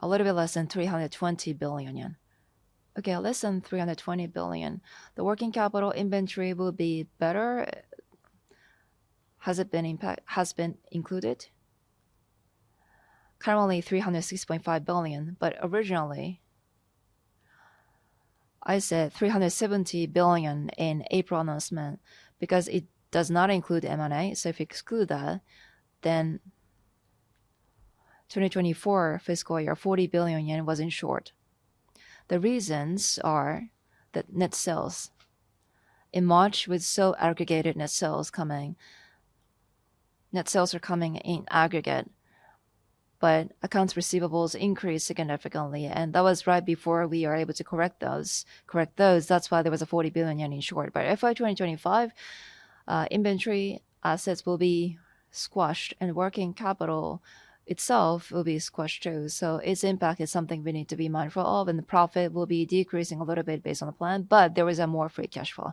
A little bit less than 320 billion yen. Okay, less than 320 billion. The working capital inventory will be better. Has it been included? Currently, 360.5 billion, but originally, I said 370 billion in April announcement because it does not include M&A. If you exclude that, then 2024 fiscal year, 40 billion yen was in short. The reasons are that net sales in March with so aggregated net sales coming. Net sales are coming in aggregate, but accounts receivables increased significantly. That was right before we were able to correct those. That is why there was a 40 billion yen in short. FY 2025 inventory assets will be squashed, and working capital itself will be squashed too. Its impact is something we need to be mindful of, and the profit will be decreasing a little bit based on the plan, but there is more free cash flow.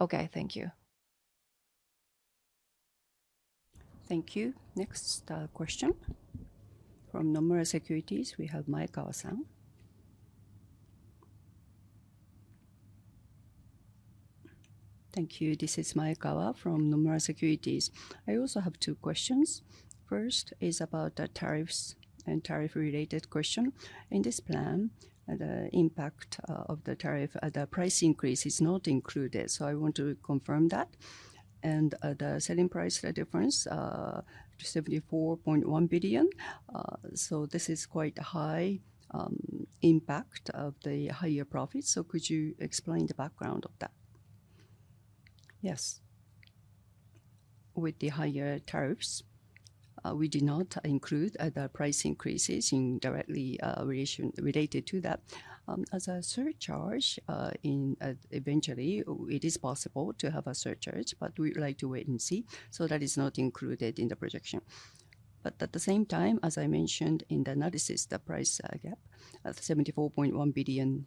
Okay, thank you. Thank you. Next question from Nomura Securities. We have Maekawa San. Thank you. This is Maekawa from Nomura Securities. I also have two questions. First is about the tariffs and tariff-related question. In this plan, the impact of the tariff at the price increase is not included. I want to confirm that. The selling price difference to 74.1 billion. This is quite a high impact of the higher profits. Could you explain the background of that? Yes. With the higher tariffs, we did not include the price increases indirectly related to that. As a surcharge, eventually, it is possible to have a surcharge, but we'd like to wait and see. That is not included in the projection. At the same time, as I mentioned in the analysis, the price gap at 74.1 billion,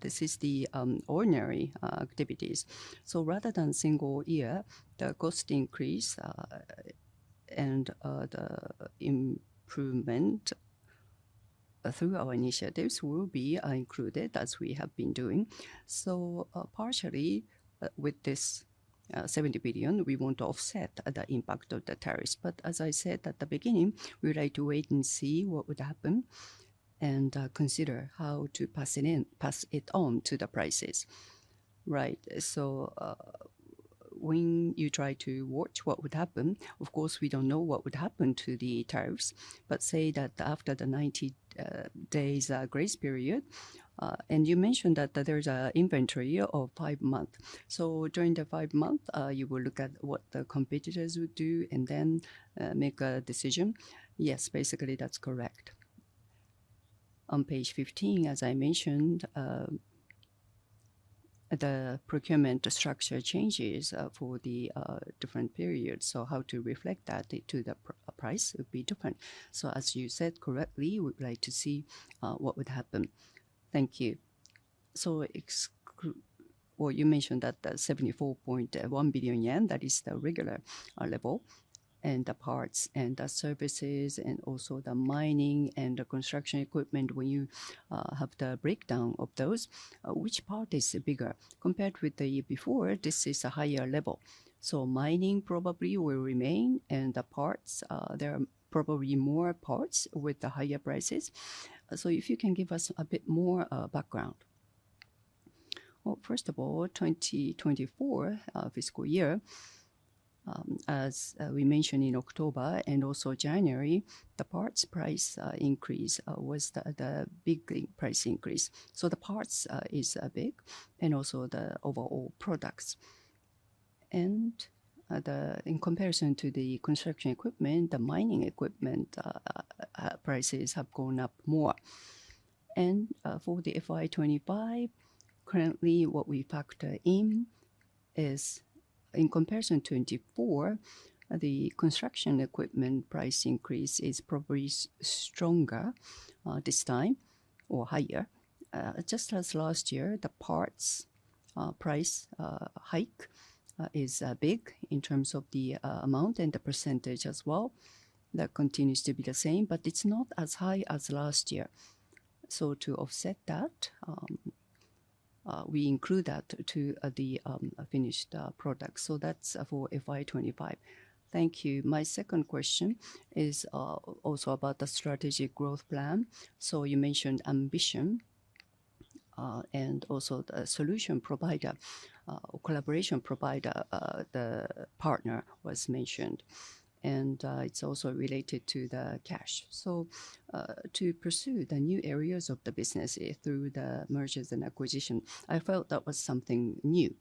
this is the ordinary activities. Rather than single year, the cost increase and the improvement through our initiatives will be included, as we have been doing. Partially, with this 70 billion, we want to offset the impact of the tariffs. As I said at the beginning, we'd like to wait and see what would happen and consider how to pass it on to the prices. Right. When you try to watch what would happen, of course, we don't know what would happen to the tariffs, but say that after the 90 days grace period, and you mentioned that there's an inventory of five months. During the five months, you will look at what the competitors would do and then make a decision. Yes, basically, that's correct. On page 15, as I mentioned, the procurement structure changes for the different periods. How to reflect that to the price would be different. As you said correctly, we'd like to see what would happen. Thank you. You mentioned that 74.1 billion yen, that is the regular level, and the parts and the services, and also the mining and the construction equipment. When you have the breakdown of those, which part is bigger? Compared with the year before, this is a higher level. Mining probably will remain, and the parts, there are probably more parts with the higher prices. If you can give us a bit more background. First of all, 2024 fiscal year, as we mentioned in October and also January, the parts price increase was the big price increase. The parts is big and also the overall products. In comparison to the construction equipment, the mining equipment prices have gone up more. For the FY 2025, currently, what we factor in is, in comparison to 2024, the construction equipment price increase is probably stronger this time or higher. Just as last year, the parts price hike is big in terms of the amount and the percentage as well. That continues to be the same, but it is not as high as last year. To offset that, we include that to the finished product. That is for FY 2025. Thank you. My second question is also about the strategic growth plan. You mentioned ambition and also the solution provider, collaboration provider, the partner was mentioned. It is also related to the cash. To pursue the new areas of the business through the mergers and acquisitions, I felt that was something new.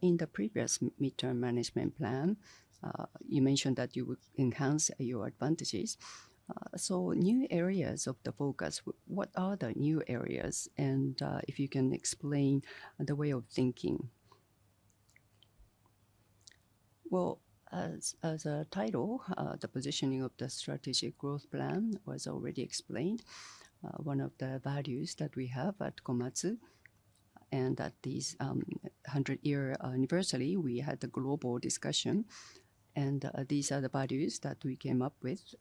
In the previous Mid-Term Management Plan, you mentioned that you would enhance your advantages. New areas of the focus, what are the new areas? If you can explain the way of thinking. As a title, the positioning of the strategic growth plan was already explained. One of the values that we have at Komatsu, and at this 100-year anniversary, we had a global discussion. These are the values that we came up with.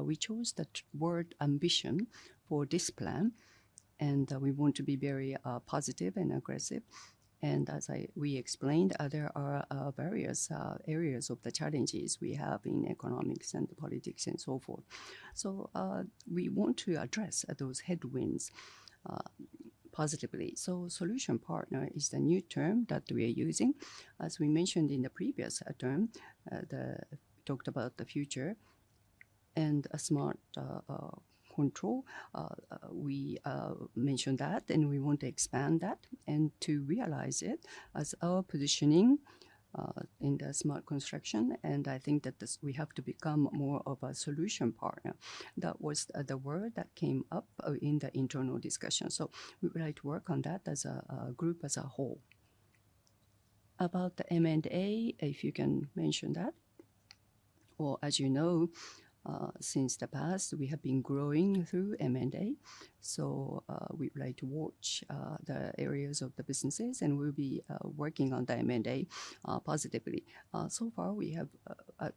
We chose the word ambition for this plan. We want to be very positive and aggressive. As we explained, there are various areas of the challenges we have in economics and politics and so forth. We want to address those headwinds positively. Solution partner is the new term that we are using. As we mentioned in the previous term, we talked about the future and smart control. We mentioned that, and we want to expand that and to realize it as our positioning in the smart construction. I think that we have to become more of a solution partner. That was the word that came up in the internal discussion. We would like to work on that as a group as a whole. About the M&A, if you can mention that. As you know, since the past, we have been growing through M&A. We'd like to watch the areas of the businesses, and we'll be working on the M&A positively. So far,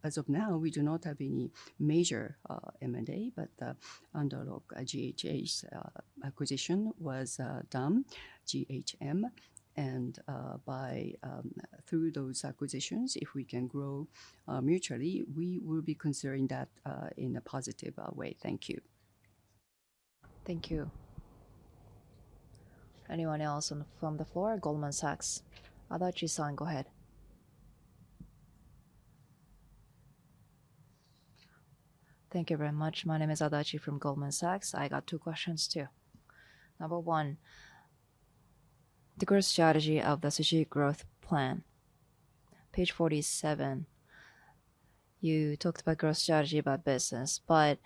as of now, we do not have any major M&A, but under GHH acquisition was done, GHM. Through those acquisitions, if we can grow mutually, we will be considering that in a positive way. Thank you. Thank you. Anyone else from the floor? Goldman Sachs. Adachi San, go ahead. Thank you very much. My name is Adachi from Goldman Sachs. I got two questions too. Number one, the growth strategy of the strategic growth plan. Page 47, you talked about growth strategy by business, but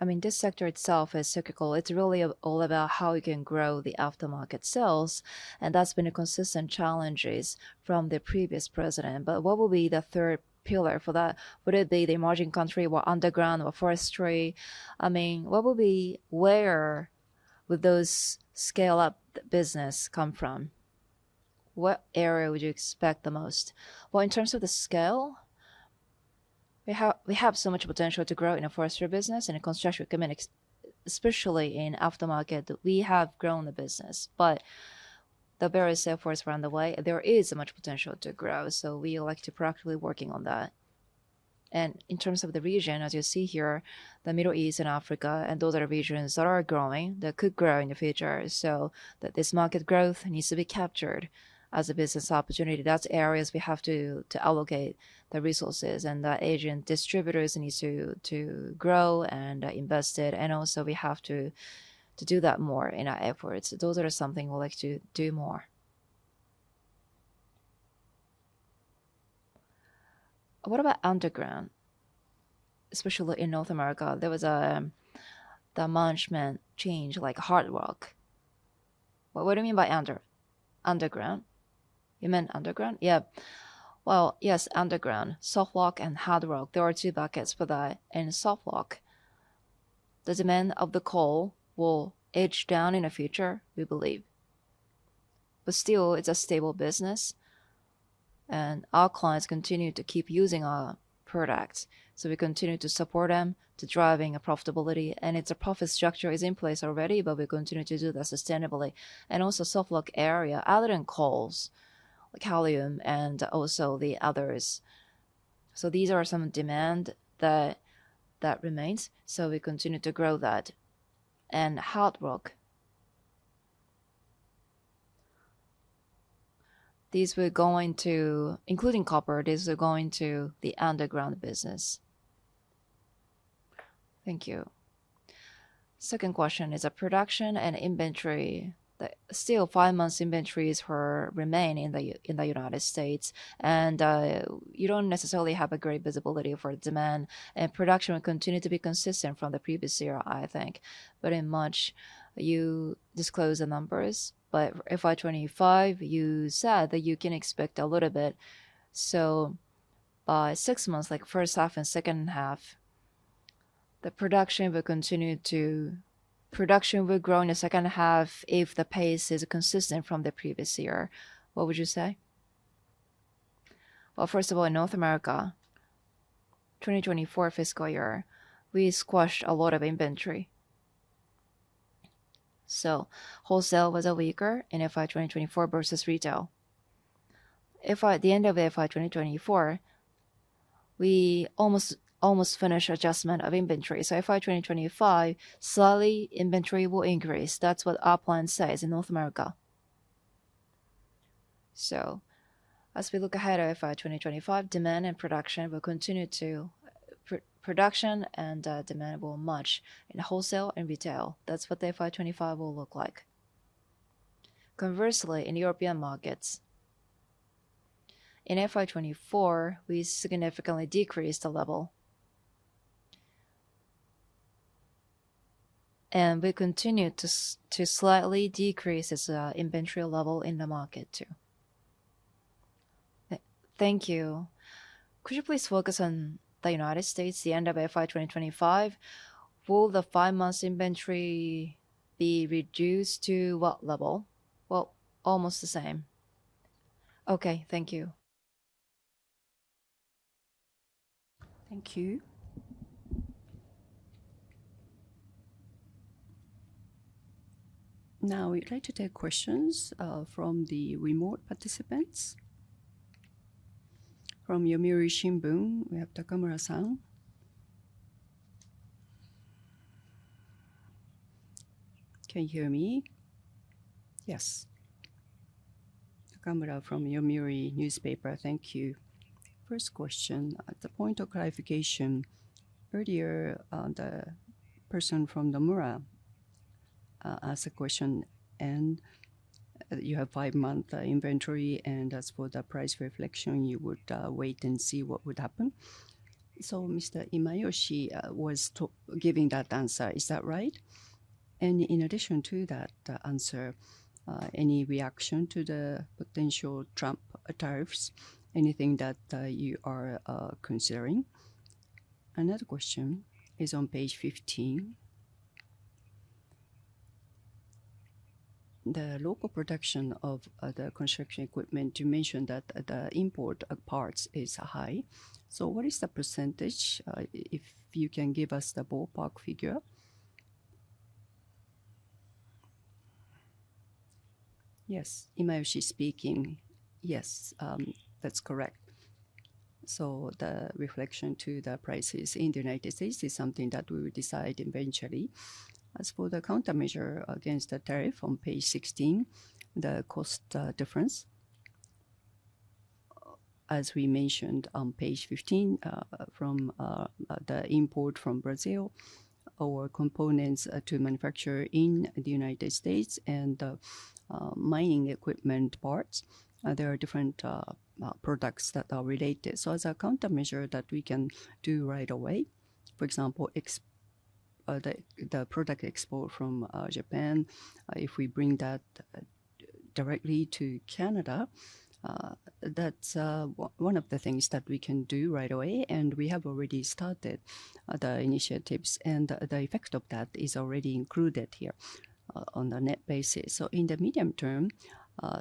I mean, this sector itself is cyclical. It's really all about how you can grow the aftermarket sales. That's been a consistent challenge from the previous president. What will be the third pillar for that? Would it be the emerging country or underground or forestry? I mean, what will be where would those scale-up businesses come from? What area would you expect the most? In terms of the scale, we have so much potential to grow in the forestry business and in construction equipment, especially in aftermarket. We have grown the business, but the various efforts around the way, there is much potential to grow. We like to practically work on that. In terms of the region, as you see here, the Middle East and Africa, those are regions that are growing, that could grow in the future. This market growth needs to be captured as a business opportunity. That's areas we have to allocate the resources, and the Asian distributors need to grow and invest it. Also, we have to do that more in our efforts. Those are something we'd like to do more. What about underground? Especially in North America, there was a management change like hard rock. What do you mean by underground? You meant underground? Yeah. Yes, underground, soft rock and hard rock. There are two buckets for that. Soft rock, the demand of the coal will edge down in the future, we believe. Still, it's a stable business. Our clients continue to keep using our products. We continue to support them to drive profitability. Its profit structure is in place already, but we continue to do that sustainably. Also, soft rock area, other than coals, like helium and also the others. These are some demands that remain. We continue to grow that. Hard rock. These were going to, including copper, these are going to the underground business. Thank you. Second question is a production and inventory. Still, five months inventory is for remain in the United States. You do not necessarily have a great visibility for demand. Production will continue to be consistent from the previous year, I think. In March, you disclosed the numbers. FY 2025, you said that you can expect a little bit. By six months, like first half and second half, the production will continue to, production will grow in the second half if the pace is consistent from the previous year. What would you say? First of all, in North America, 2024 fiscal year, we squashed a lot of inventory. Wholesale was weaker in FI 2024 versus retail. At the end of FY 2024, we almost finished adjustment of inventory. FY 2025, slowly inventory will increase. That is what our plan says in North America. As we look ahead at FY 2025, demand and production will continue to, production and demand will match in wholesale and retail. That's what the FY 2025 will look like. Conversely, in European markets, in FY 2024, we significantly decreased the level. We continue to slightly decrease inventory level in the market too. Thank you. Could you please focus on the United States? The end of FY 2025, will the five months inventory be reduced to what level? Almost the same. Thank you. Thank you. Now, we'd like to take questions from the remote participants. From Yomiuri Shimbun, we have Takamura-san. Can you hear me? Yes. Takamura from Yomiuri Newspaper. Thank you. First question, at the point of clarification earlier, the person from Nomura asked a question, and you have five months inventory, and as for the price reflection, you would wait and see what would happen. Mr. Imayoshi was giving that answer. Is that right? In addition to that answer, any reaction to the potential Trump tariffs? Anything that you are considering? Another question is on page 15. The local production of the construction equipment, you mentioned that the import of parts is high. What is the percentage? If you can give us the ballpark figure. Yes, Imayoshi speaking. Yes, that's correct. The reflection to the prices in the United States is something that we will decide eventually. As for the countermeasure against the tariff on page 16, the cost difference, as we mentioned on page 15, from the import from Brazil or components to manufacture in the United States and mining equipment parts, there are different products that are related. As a countermeasure that we can do right away, for example, the product export from Japan, if we bring that directly to Canada, that's one of the things that we can do right away. We have already started the initiatives, and the effect of that is already included here on the net basis. In the medium term,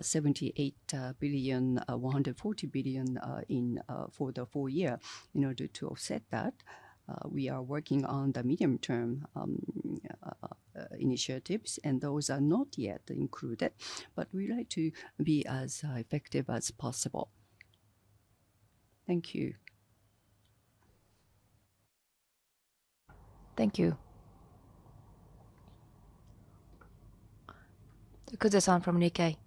78 billion, 140 billion for the full year. In order to offset that, we are working on the medium-term initiatives, and those are not yet included, but we like to be as effective as possible. Thank you. Thank you. Kuzesan from Nikkei.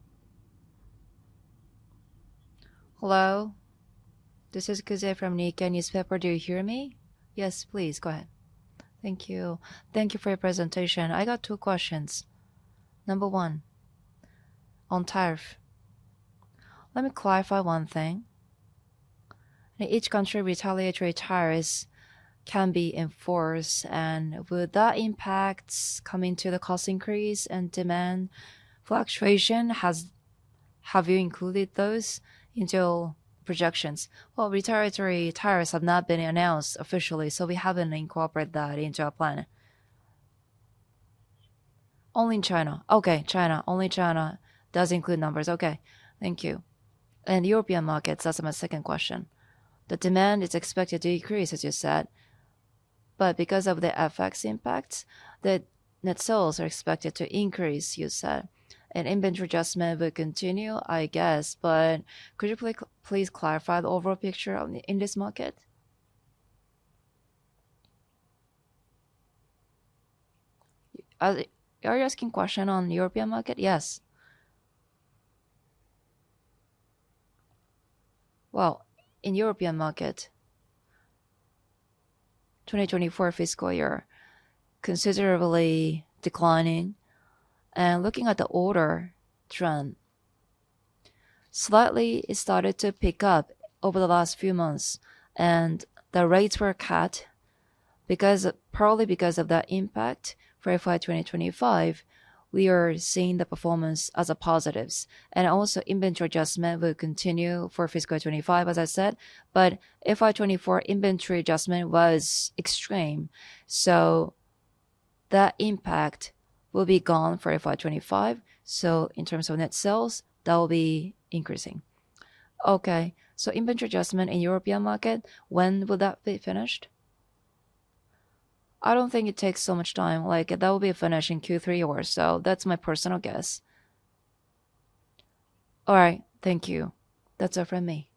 Hello.This is [Kuze] from Nikkei Newspaper. Do you hear me? Yes, please. Go ahead. Thank you. Thank you for your presentation. I got two questions. Number one, on tariff. Let me clarify one thing. Each country retaliatory tariffs can be enforced, and would that impact come into the cost increase and demand fluctuation? Have you included those into projections? Retaliatory tariffs have not been announced officially, so we haven't incorporated that into our plan. Only in China. Okay, China. Only China does include numbers. Okay. Thank you. European markets, that's my second question. The demand is expected to increase, as you said, but because of the FX impact, the net sales are expected to increase, you said. Inventory adjustment will continue, I guess, but could you please clarify the overall picture in this market? Are you asking a question on the European market? Yes. In the European market, 2024 fiscal year, considerably declining. Looking at the order trend, slightly it started to pick up over the last few months, and the rates were cut probably because of that impact for FY 2025. We are seeing the performance as a positive. Also, inventory adjustment will continue for fiscal 2025, as I said, but FY 2024 inventory adjustment was extreme. That impact will be gone for FY 2025. In terms of net sales, that will be increasing. Okay. Inventory adjustment in the European market, when will that be finished? I do not think it takes so much time. That will be finished in Q3 or so. That is my personal guess. All right. Thank you. That is all from me.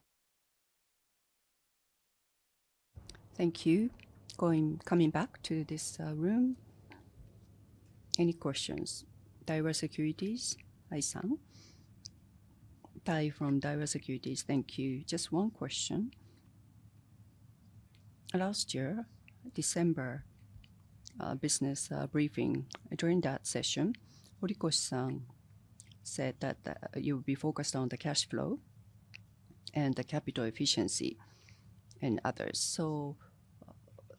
Thank you. Coming back to this room, any questions? Daiwa Securities, [Aisan]. Tai from Daiwa Securities. Thank you. Just one question. Last year, December business briefing, during that session, Horikoshi-san said that you would be focused on the cash flow and the capital efficiency and others.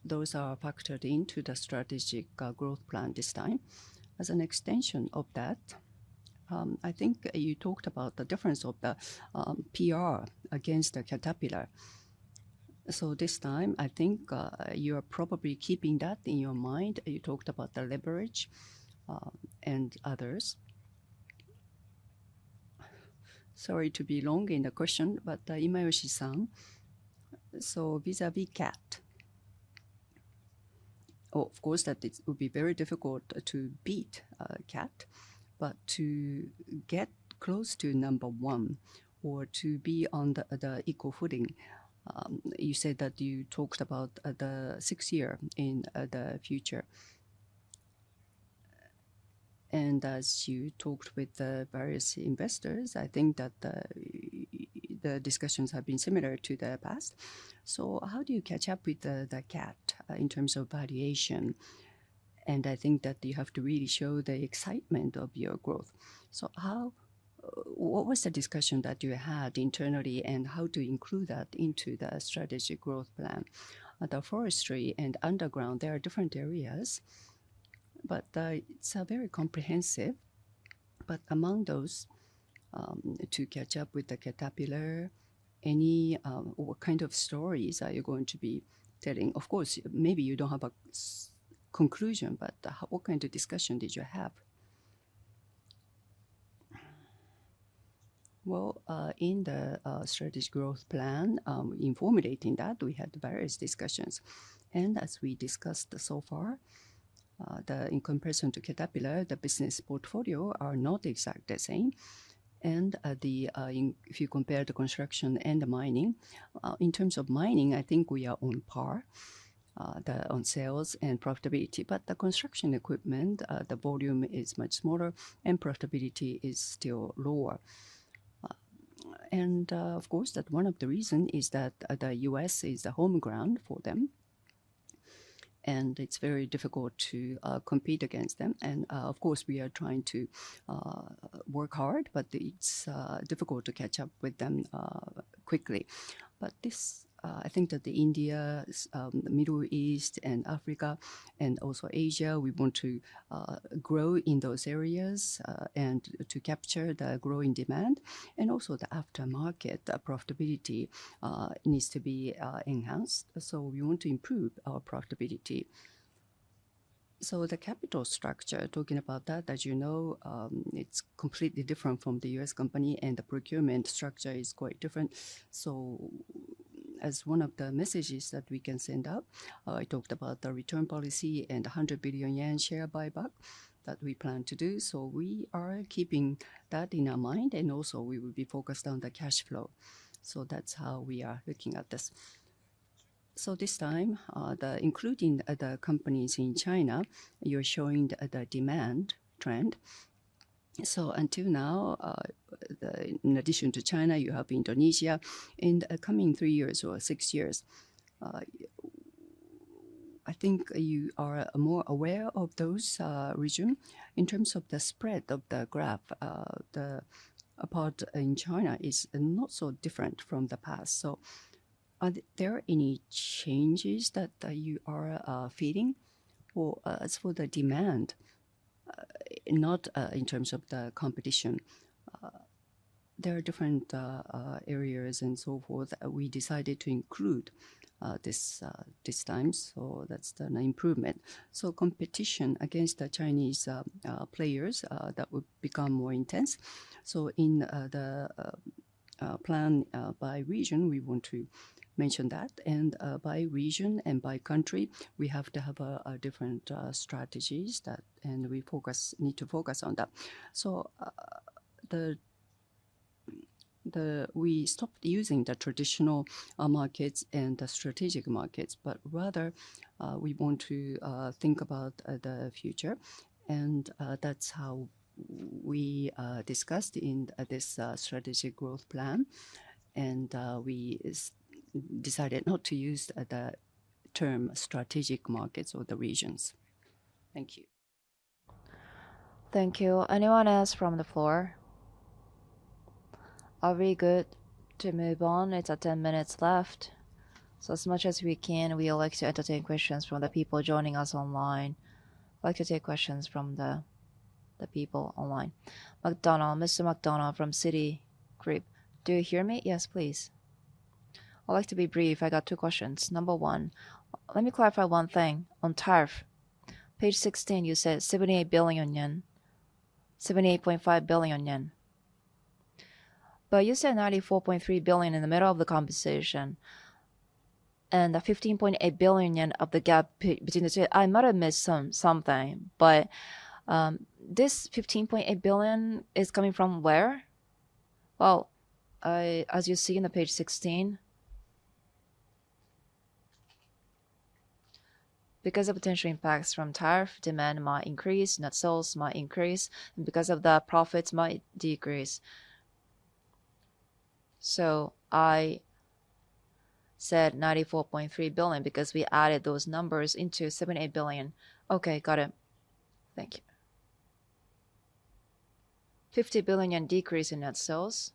Those are factored into the strategic growth plan this time. As an extension of that, I think you talked about the difference of the PR against the Caterpillar. This time, I think you are probably keeping that in your mind. You talked about the leverage and others. Sorry to be long in the question, but Imayoshi-san, vis-à-vis CAT. Of course, that would be very difficult to beat CAT, but to get close to number one or to be on the equal footing, you said that you talked about the six-year in the future. As you talked with the various investors, I think that the discussions have been similar to the past. How do you catch up with CAT in terms of valuation? I think that you have to really show the excitement of your growth. What was the discussion that you had internally and how to include that into the strategic growth plan? The forestry and underground, there are different areas, but it is very comprehensive. Among those, to catch up with the capitalist, what kind of stories are you going to be telling? Of course, maybe you do not have a conclusion, but what kind of discussion did you have? In the strategic growth plan, in formulating that, we had various discussions. As we discussed so far, in comparison to capital, the business portfolio is not exactly the same. If you compare the construction and the mining, in terms of mining, I think we are on par on sales and profitability. The construction equipment, the volume is much smaller, and profitability is still lower. One of the reasons is that the U.S. is a homegrown for them, and it's very difficult to compete against them. We are trying to work hard, but it's difficult to catch up with them quickly. I think that India, the Middle East, Africa, and also Asia, we want to grow in those areas and to capture the growing demand. Also, the aftermarket profitability needs to be enhanced. We want to improve our profitability. The capital structure, talking about that, as you know, it's completely different from the U.S. company, and the procurement structure is quite different. As one of the messages that we can send out, I talked about the return policy and the 100 billion yen share buyback that we plan to do. We are keeping that in our mind, and also we will be focused on the cash flow. That is how we are looking at this. This time, including the companies in China, you are showing the demand trend. Until now, in addition to China, you have Indonesia in the coming three years or six years. I think you are more aware of those regions in terms of the spread of the graph. The part in China is not so different from the past. Are there any changes that you are feeding? As for the demand, not in terms of the competition, there are different areas and so forth that we decided to include this time. That's an improvement. Competition against the Chinese players would become more intense. In the plan by region, we want to mention that. By region and by country, we have to have different strategies that we need to focus on. We stopped using the traditional markets and the strategic markets, but rather we want to think about the future. That's how we discussed in this strategic growth plan. We decided not to use the term strategic markets or the regions. Thank you. Thank you. Anyone else from the floor? Are we good to move on? It's 10 minutes left. As much as we can, we would like to entertain questions from the people joining us online. I'd like to take questions from the people online. Mr. McDonald from Citigroup, do you hear me? Yes, please. I'd like to be brief. I got two questions. Number one, let me clarify one thing on tariff. Page 16, you said 78 billion yen, 78.5 billion yen. You said 94.3 billion in the middle of the conversation. The 15.8 billion yen of the gap between the two, I might have missed something. This 15.8 billion is coming from where? As you see in page 16, because of potential impacts from tariff, demand might increase, net sales might increase, and because of that profits might decrease. I said 94.3 billion because we added those numbers into 78 billion. Okay, got it. Thank you. 50 billion decrease in net sales.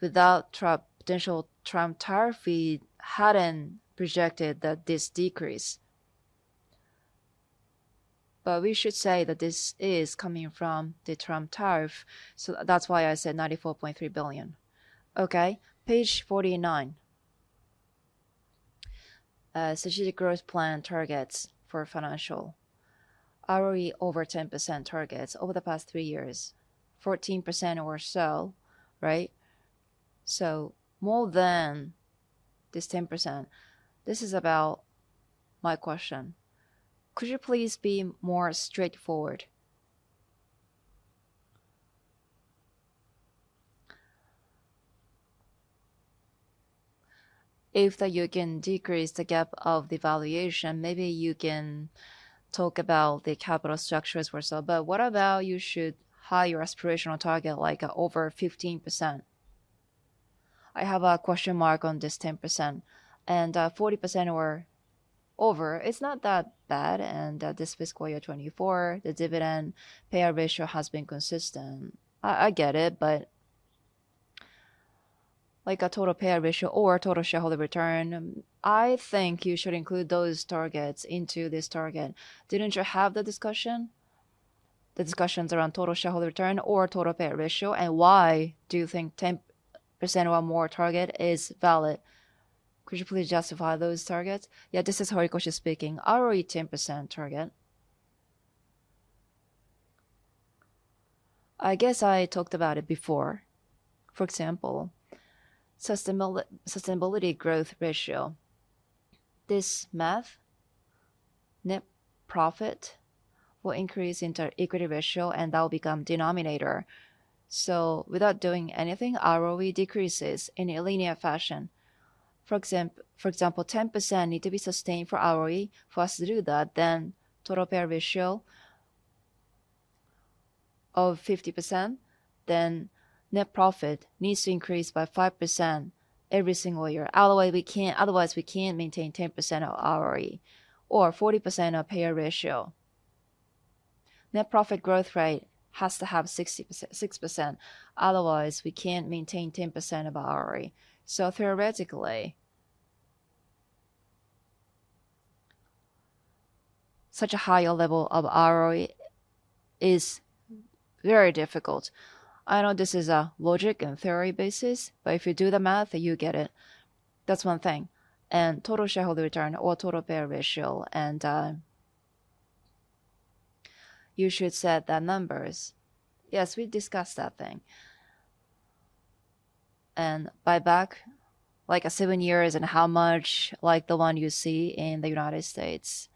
Without potential Trump tariff, we had not projected this decrease. We should say that this is coming from the Trump tariff. That is why I said 94.3 billion. Okay. Page 49. Strategic growth plan targets for financial. ROE over 10% targets over the past three years. 14% or so, right? More than this 10%. This is about my question. Could you please be more straightforward? If you can decrease the gap of the valuation, maybe you can talk about the capital structures or so. What about you should higher aspirational target like over 15%? I have a question mark on this 10%. 40% or over, it's not that bad. This fiscal year 2024, the dividend payout ratio has been consistent. I get it, like a total payout ratio or total shareholder return, I think you should include those targets into this target. Didn't you have the discussion? The discussions around total shareholder return or total payout ratio and why do you think 10% or more target is valid? Could you please justify those targets? This is Horikoshi speaking. ROE 10% target. I guess I talked about it before. For example, sustainability growth ratio. This math, net profit will increase into equity ratio and that will become denominator. Without doing anything, ROE decreases in a linear fashion. For example, 10% need to be sustained for ROE. For us to do that, then total payout ratio of 50%, then net profit needs to increase by 5% every single year. Otherwise, we can't maintain 10% of ROE or 40% of payout ratio. Net profit growth rate has to have 6%. Otherwise, we can't maintain 10% of ROE. Theoretically, such a higher level of ROE is very difficult. I know this is a logic and theory basis, but if you do the math, you get it. That's one thing. Total shareholder return or total payout ratio, and you should set the numbers. Yes, we discussed that thing. Buyback, like a seven years and how much, like the one you see in the United States.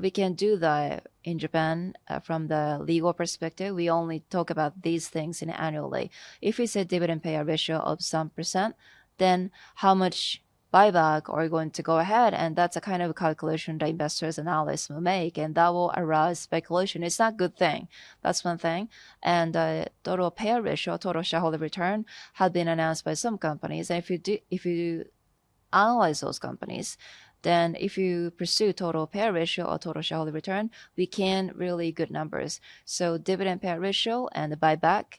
We can do that in Japan from the legal perspective. We only talk about these things annually. If we say dividend payout ratio of some %, then how much buyback are you going to go ahead? That's the kind of calculation that investors and analysts will make. That will arise speculation. It's not a good thing. That's one thing. Total payout ratio, total shareholder return has been announced by some companies. If you analyze those companies, then if you pursue total payout ratio or total shareholder return, we can really get good numbers. Dividend payout ratio and the buyback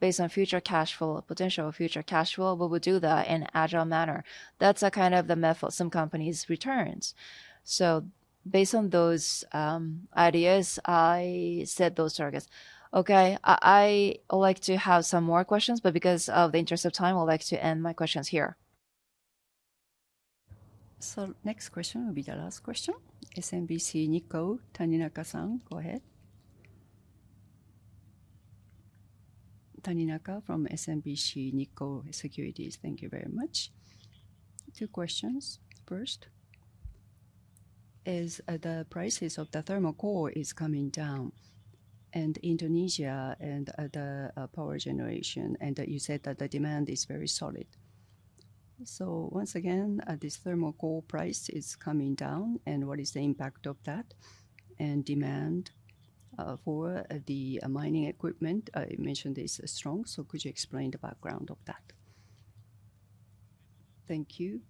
based on future cash flow, potential future cash flow, we will do that in an agile manner. That's kind of the method some companies return. Based on those ideas, I set those targets. I would like to have some more questions, but because of the interest of time, I would like to end my questions here. Next question will be the last question. SMBC Nikko, Taninaka-san, go ahead. Taninaka from SMBC Nikko Securities, thank you very much. Two questions. First, is the prices of the thermal coal coming down? Indonesia and the power generation, and you said that the demand is very solid. Once again, this thermal coal price is coming down, and what is the impact of that? Demand for the mining equipment, I mentioned is strong. Could you explain the background of that? Thank you.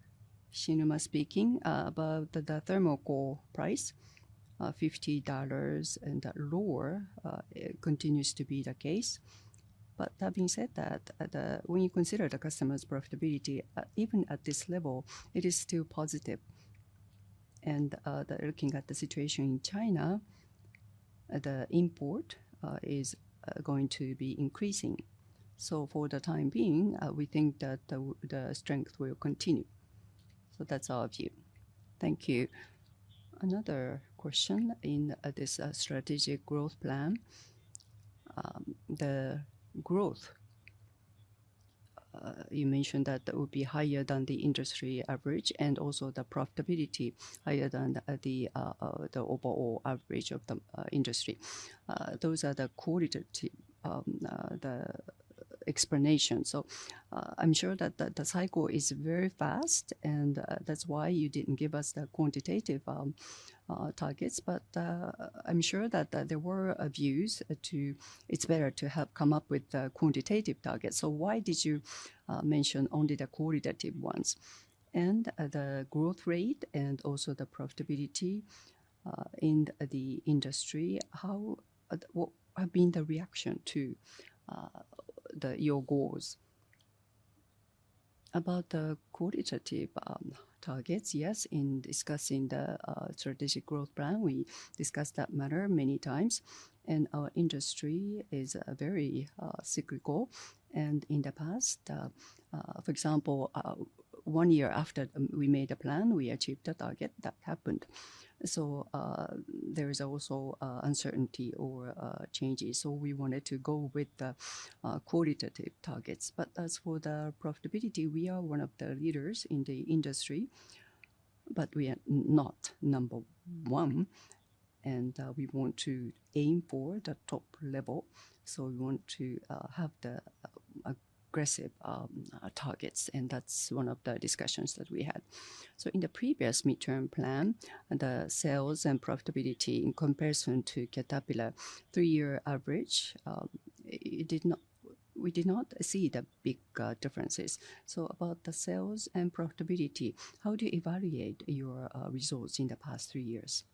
Hishinuma speaking. About the thermal coal price, $50 and lower, it continues to be the case. Having said that, when you consider the customer's profitability, even at this level, it is still positive. Looking at the situation in China, the import is going to be increasing. For the time being, we think that the strength will continue. That is our view. Thank you. Another question in this strategic growth plan. The growth, you mentioned that it would be higher than the industry average and also the profitability higher than the overall average of the industry. Those are the explanations. I am sure that the cycle is very fast, and that is why you did not give us the quantitative targets. I am sure that there were views to it is better to have come up with quantitative targets. Why did you mention only the qualitative ones? The growth rate and also the profitability in the industry, what have been the reaction to your goals? About the qualitative targets, yes, in discussing the strategic growth plan, we discussed that matter many times. Our industry is very cyclical. In the past, for example, one year after we made a plan, we achieved a target. That happened. There is also uncertainty or changes. We wanted to go with the qualitative targets. As for the profitability, we are one of the leaders in the industry, but we are not number one. We want to aim for the top level. We want to have the aggressive targets. That is one of the discussions that we had. In the previous midterm plan, the sales and profitability in comparison to Caterpillar three-year average, we did not see the big differences. About the sales and profitability, how do you evaluate your results in the past three years?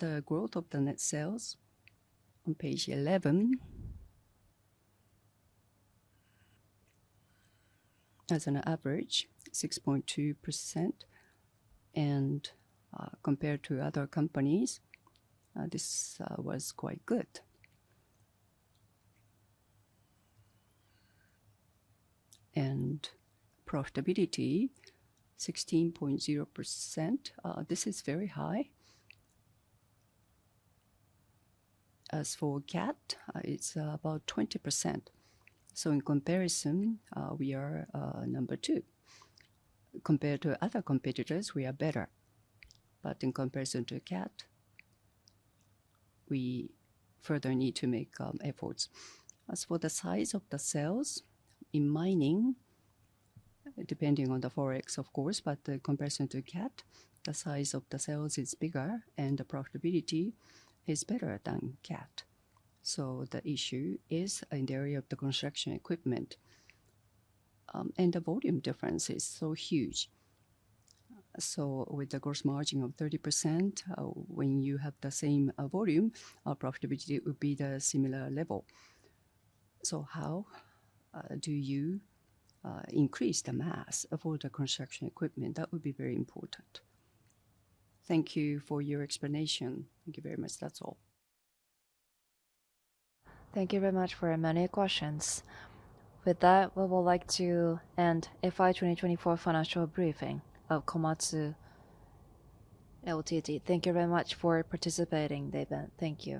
The growth of the net sales on page 11, as an average, 6.2%. Compared to other companies, this was quite good. Profitability, 16.0%. This is very high. As for CAT, it's about 20%. In comparison, we are number two. Compared to other competitors, we are better. In comparison to CAT, we further need to make efforts. As for the size of the sales in mining, depending on the forex, of course, but in comparison to CAT, the size of the sales is bigger and the profitability is better than CAT. The issue is in the area of the construction equipment. The volume difference is so huge. With the gross margin of 30%, when you have the same volume, profitability would be at a similar level. How do you increase the mass for the construction equipment? That would be very important. Thank you for your explanation. Thank you very much. That's all. Thank you very much for many questions. With that, we would like to end FY 2024 financial briefing of Komatsu Ltd. Thank you very much for participating, Deben. Thank you.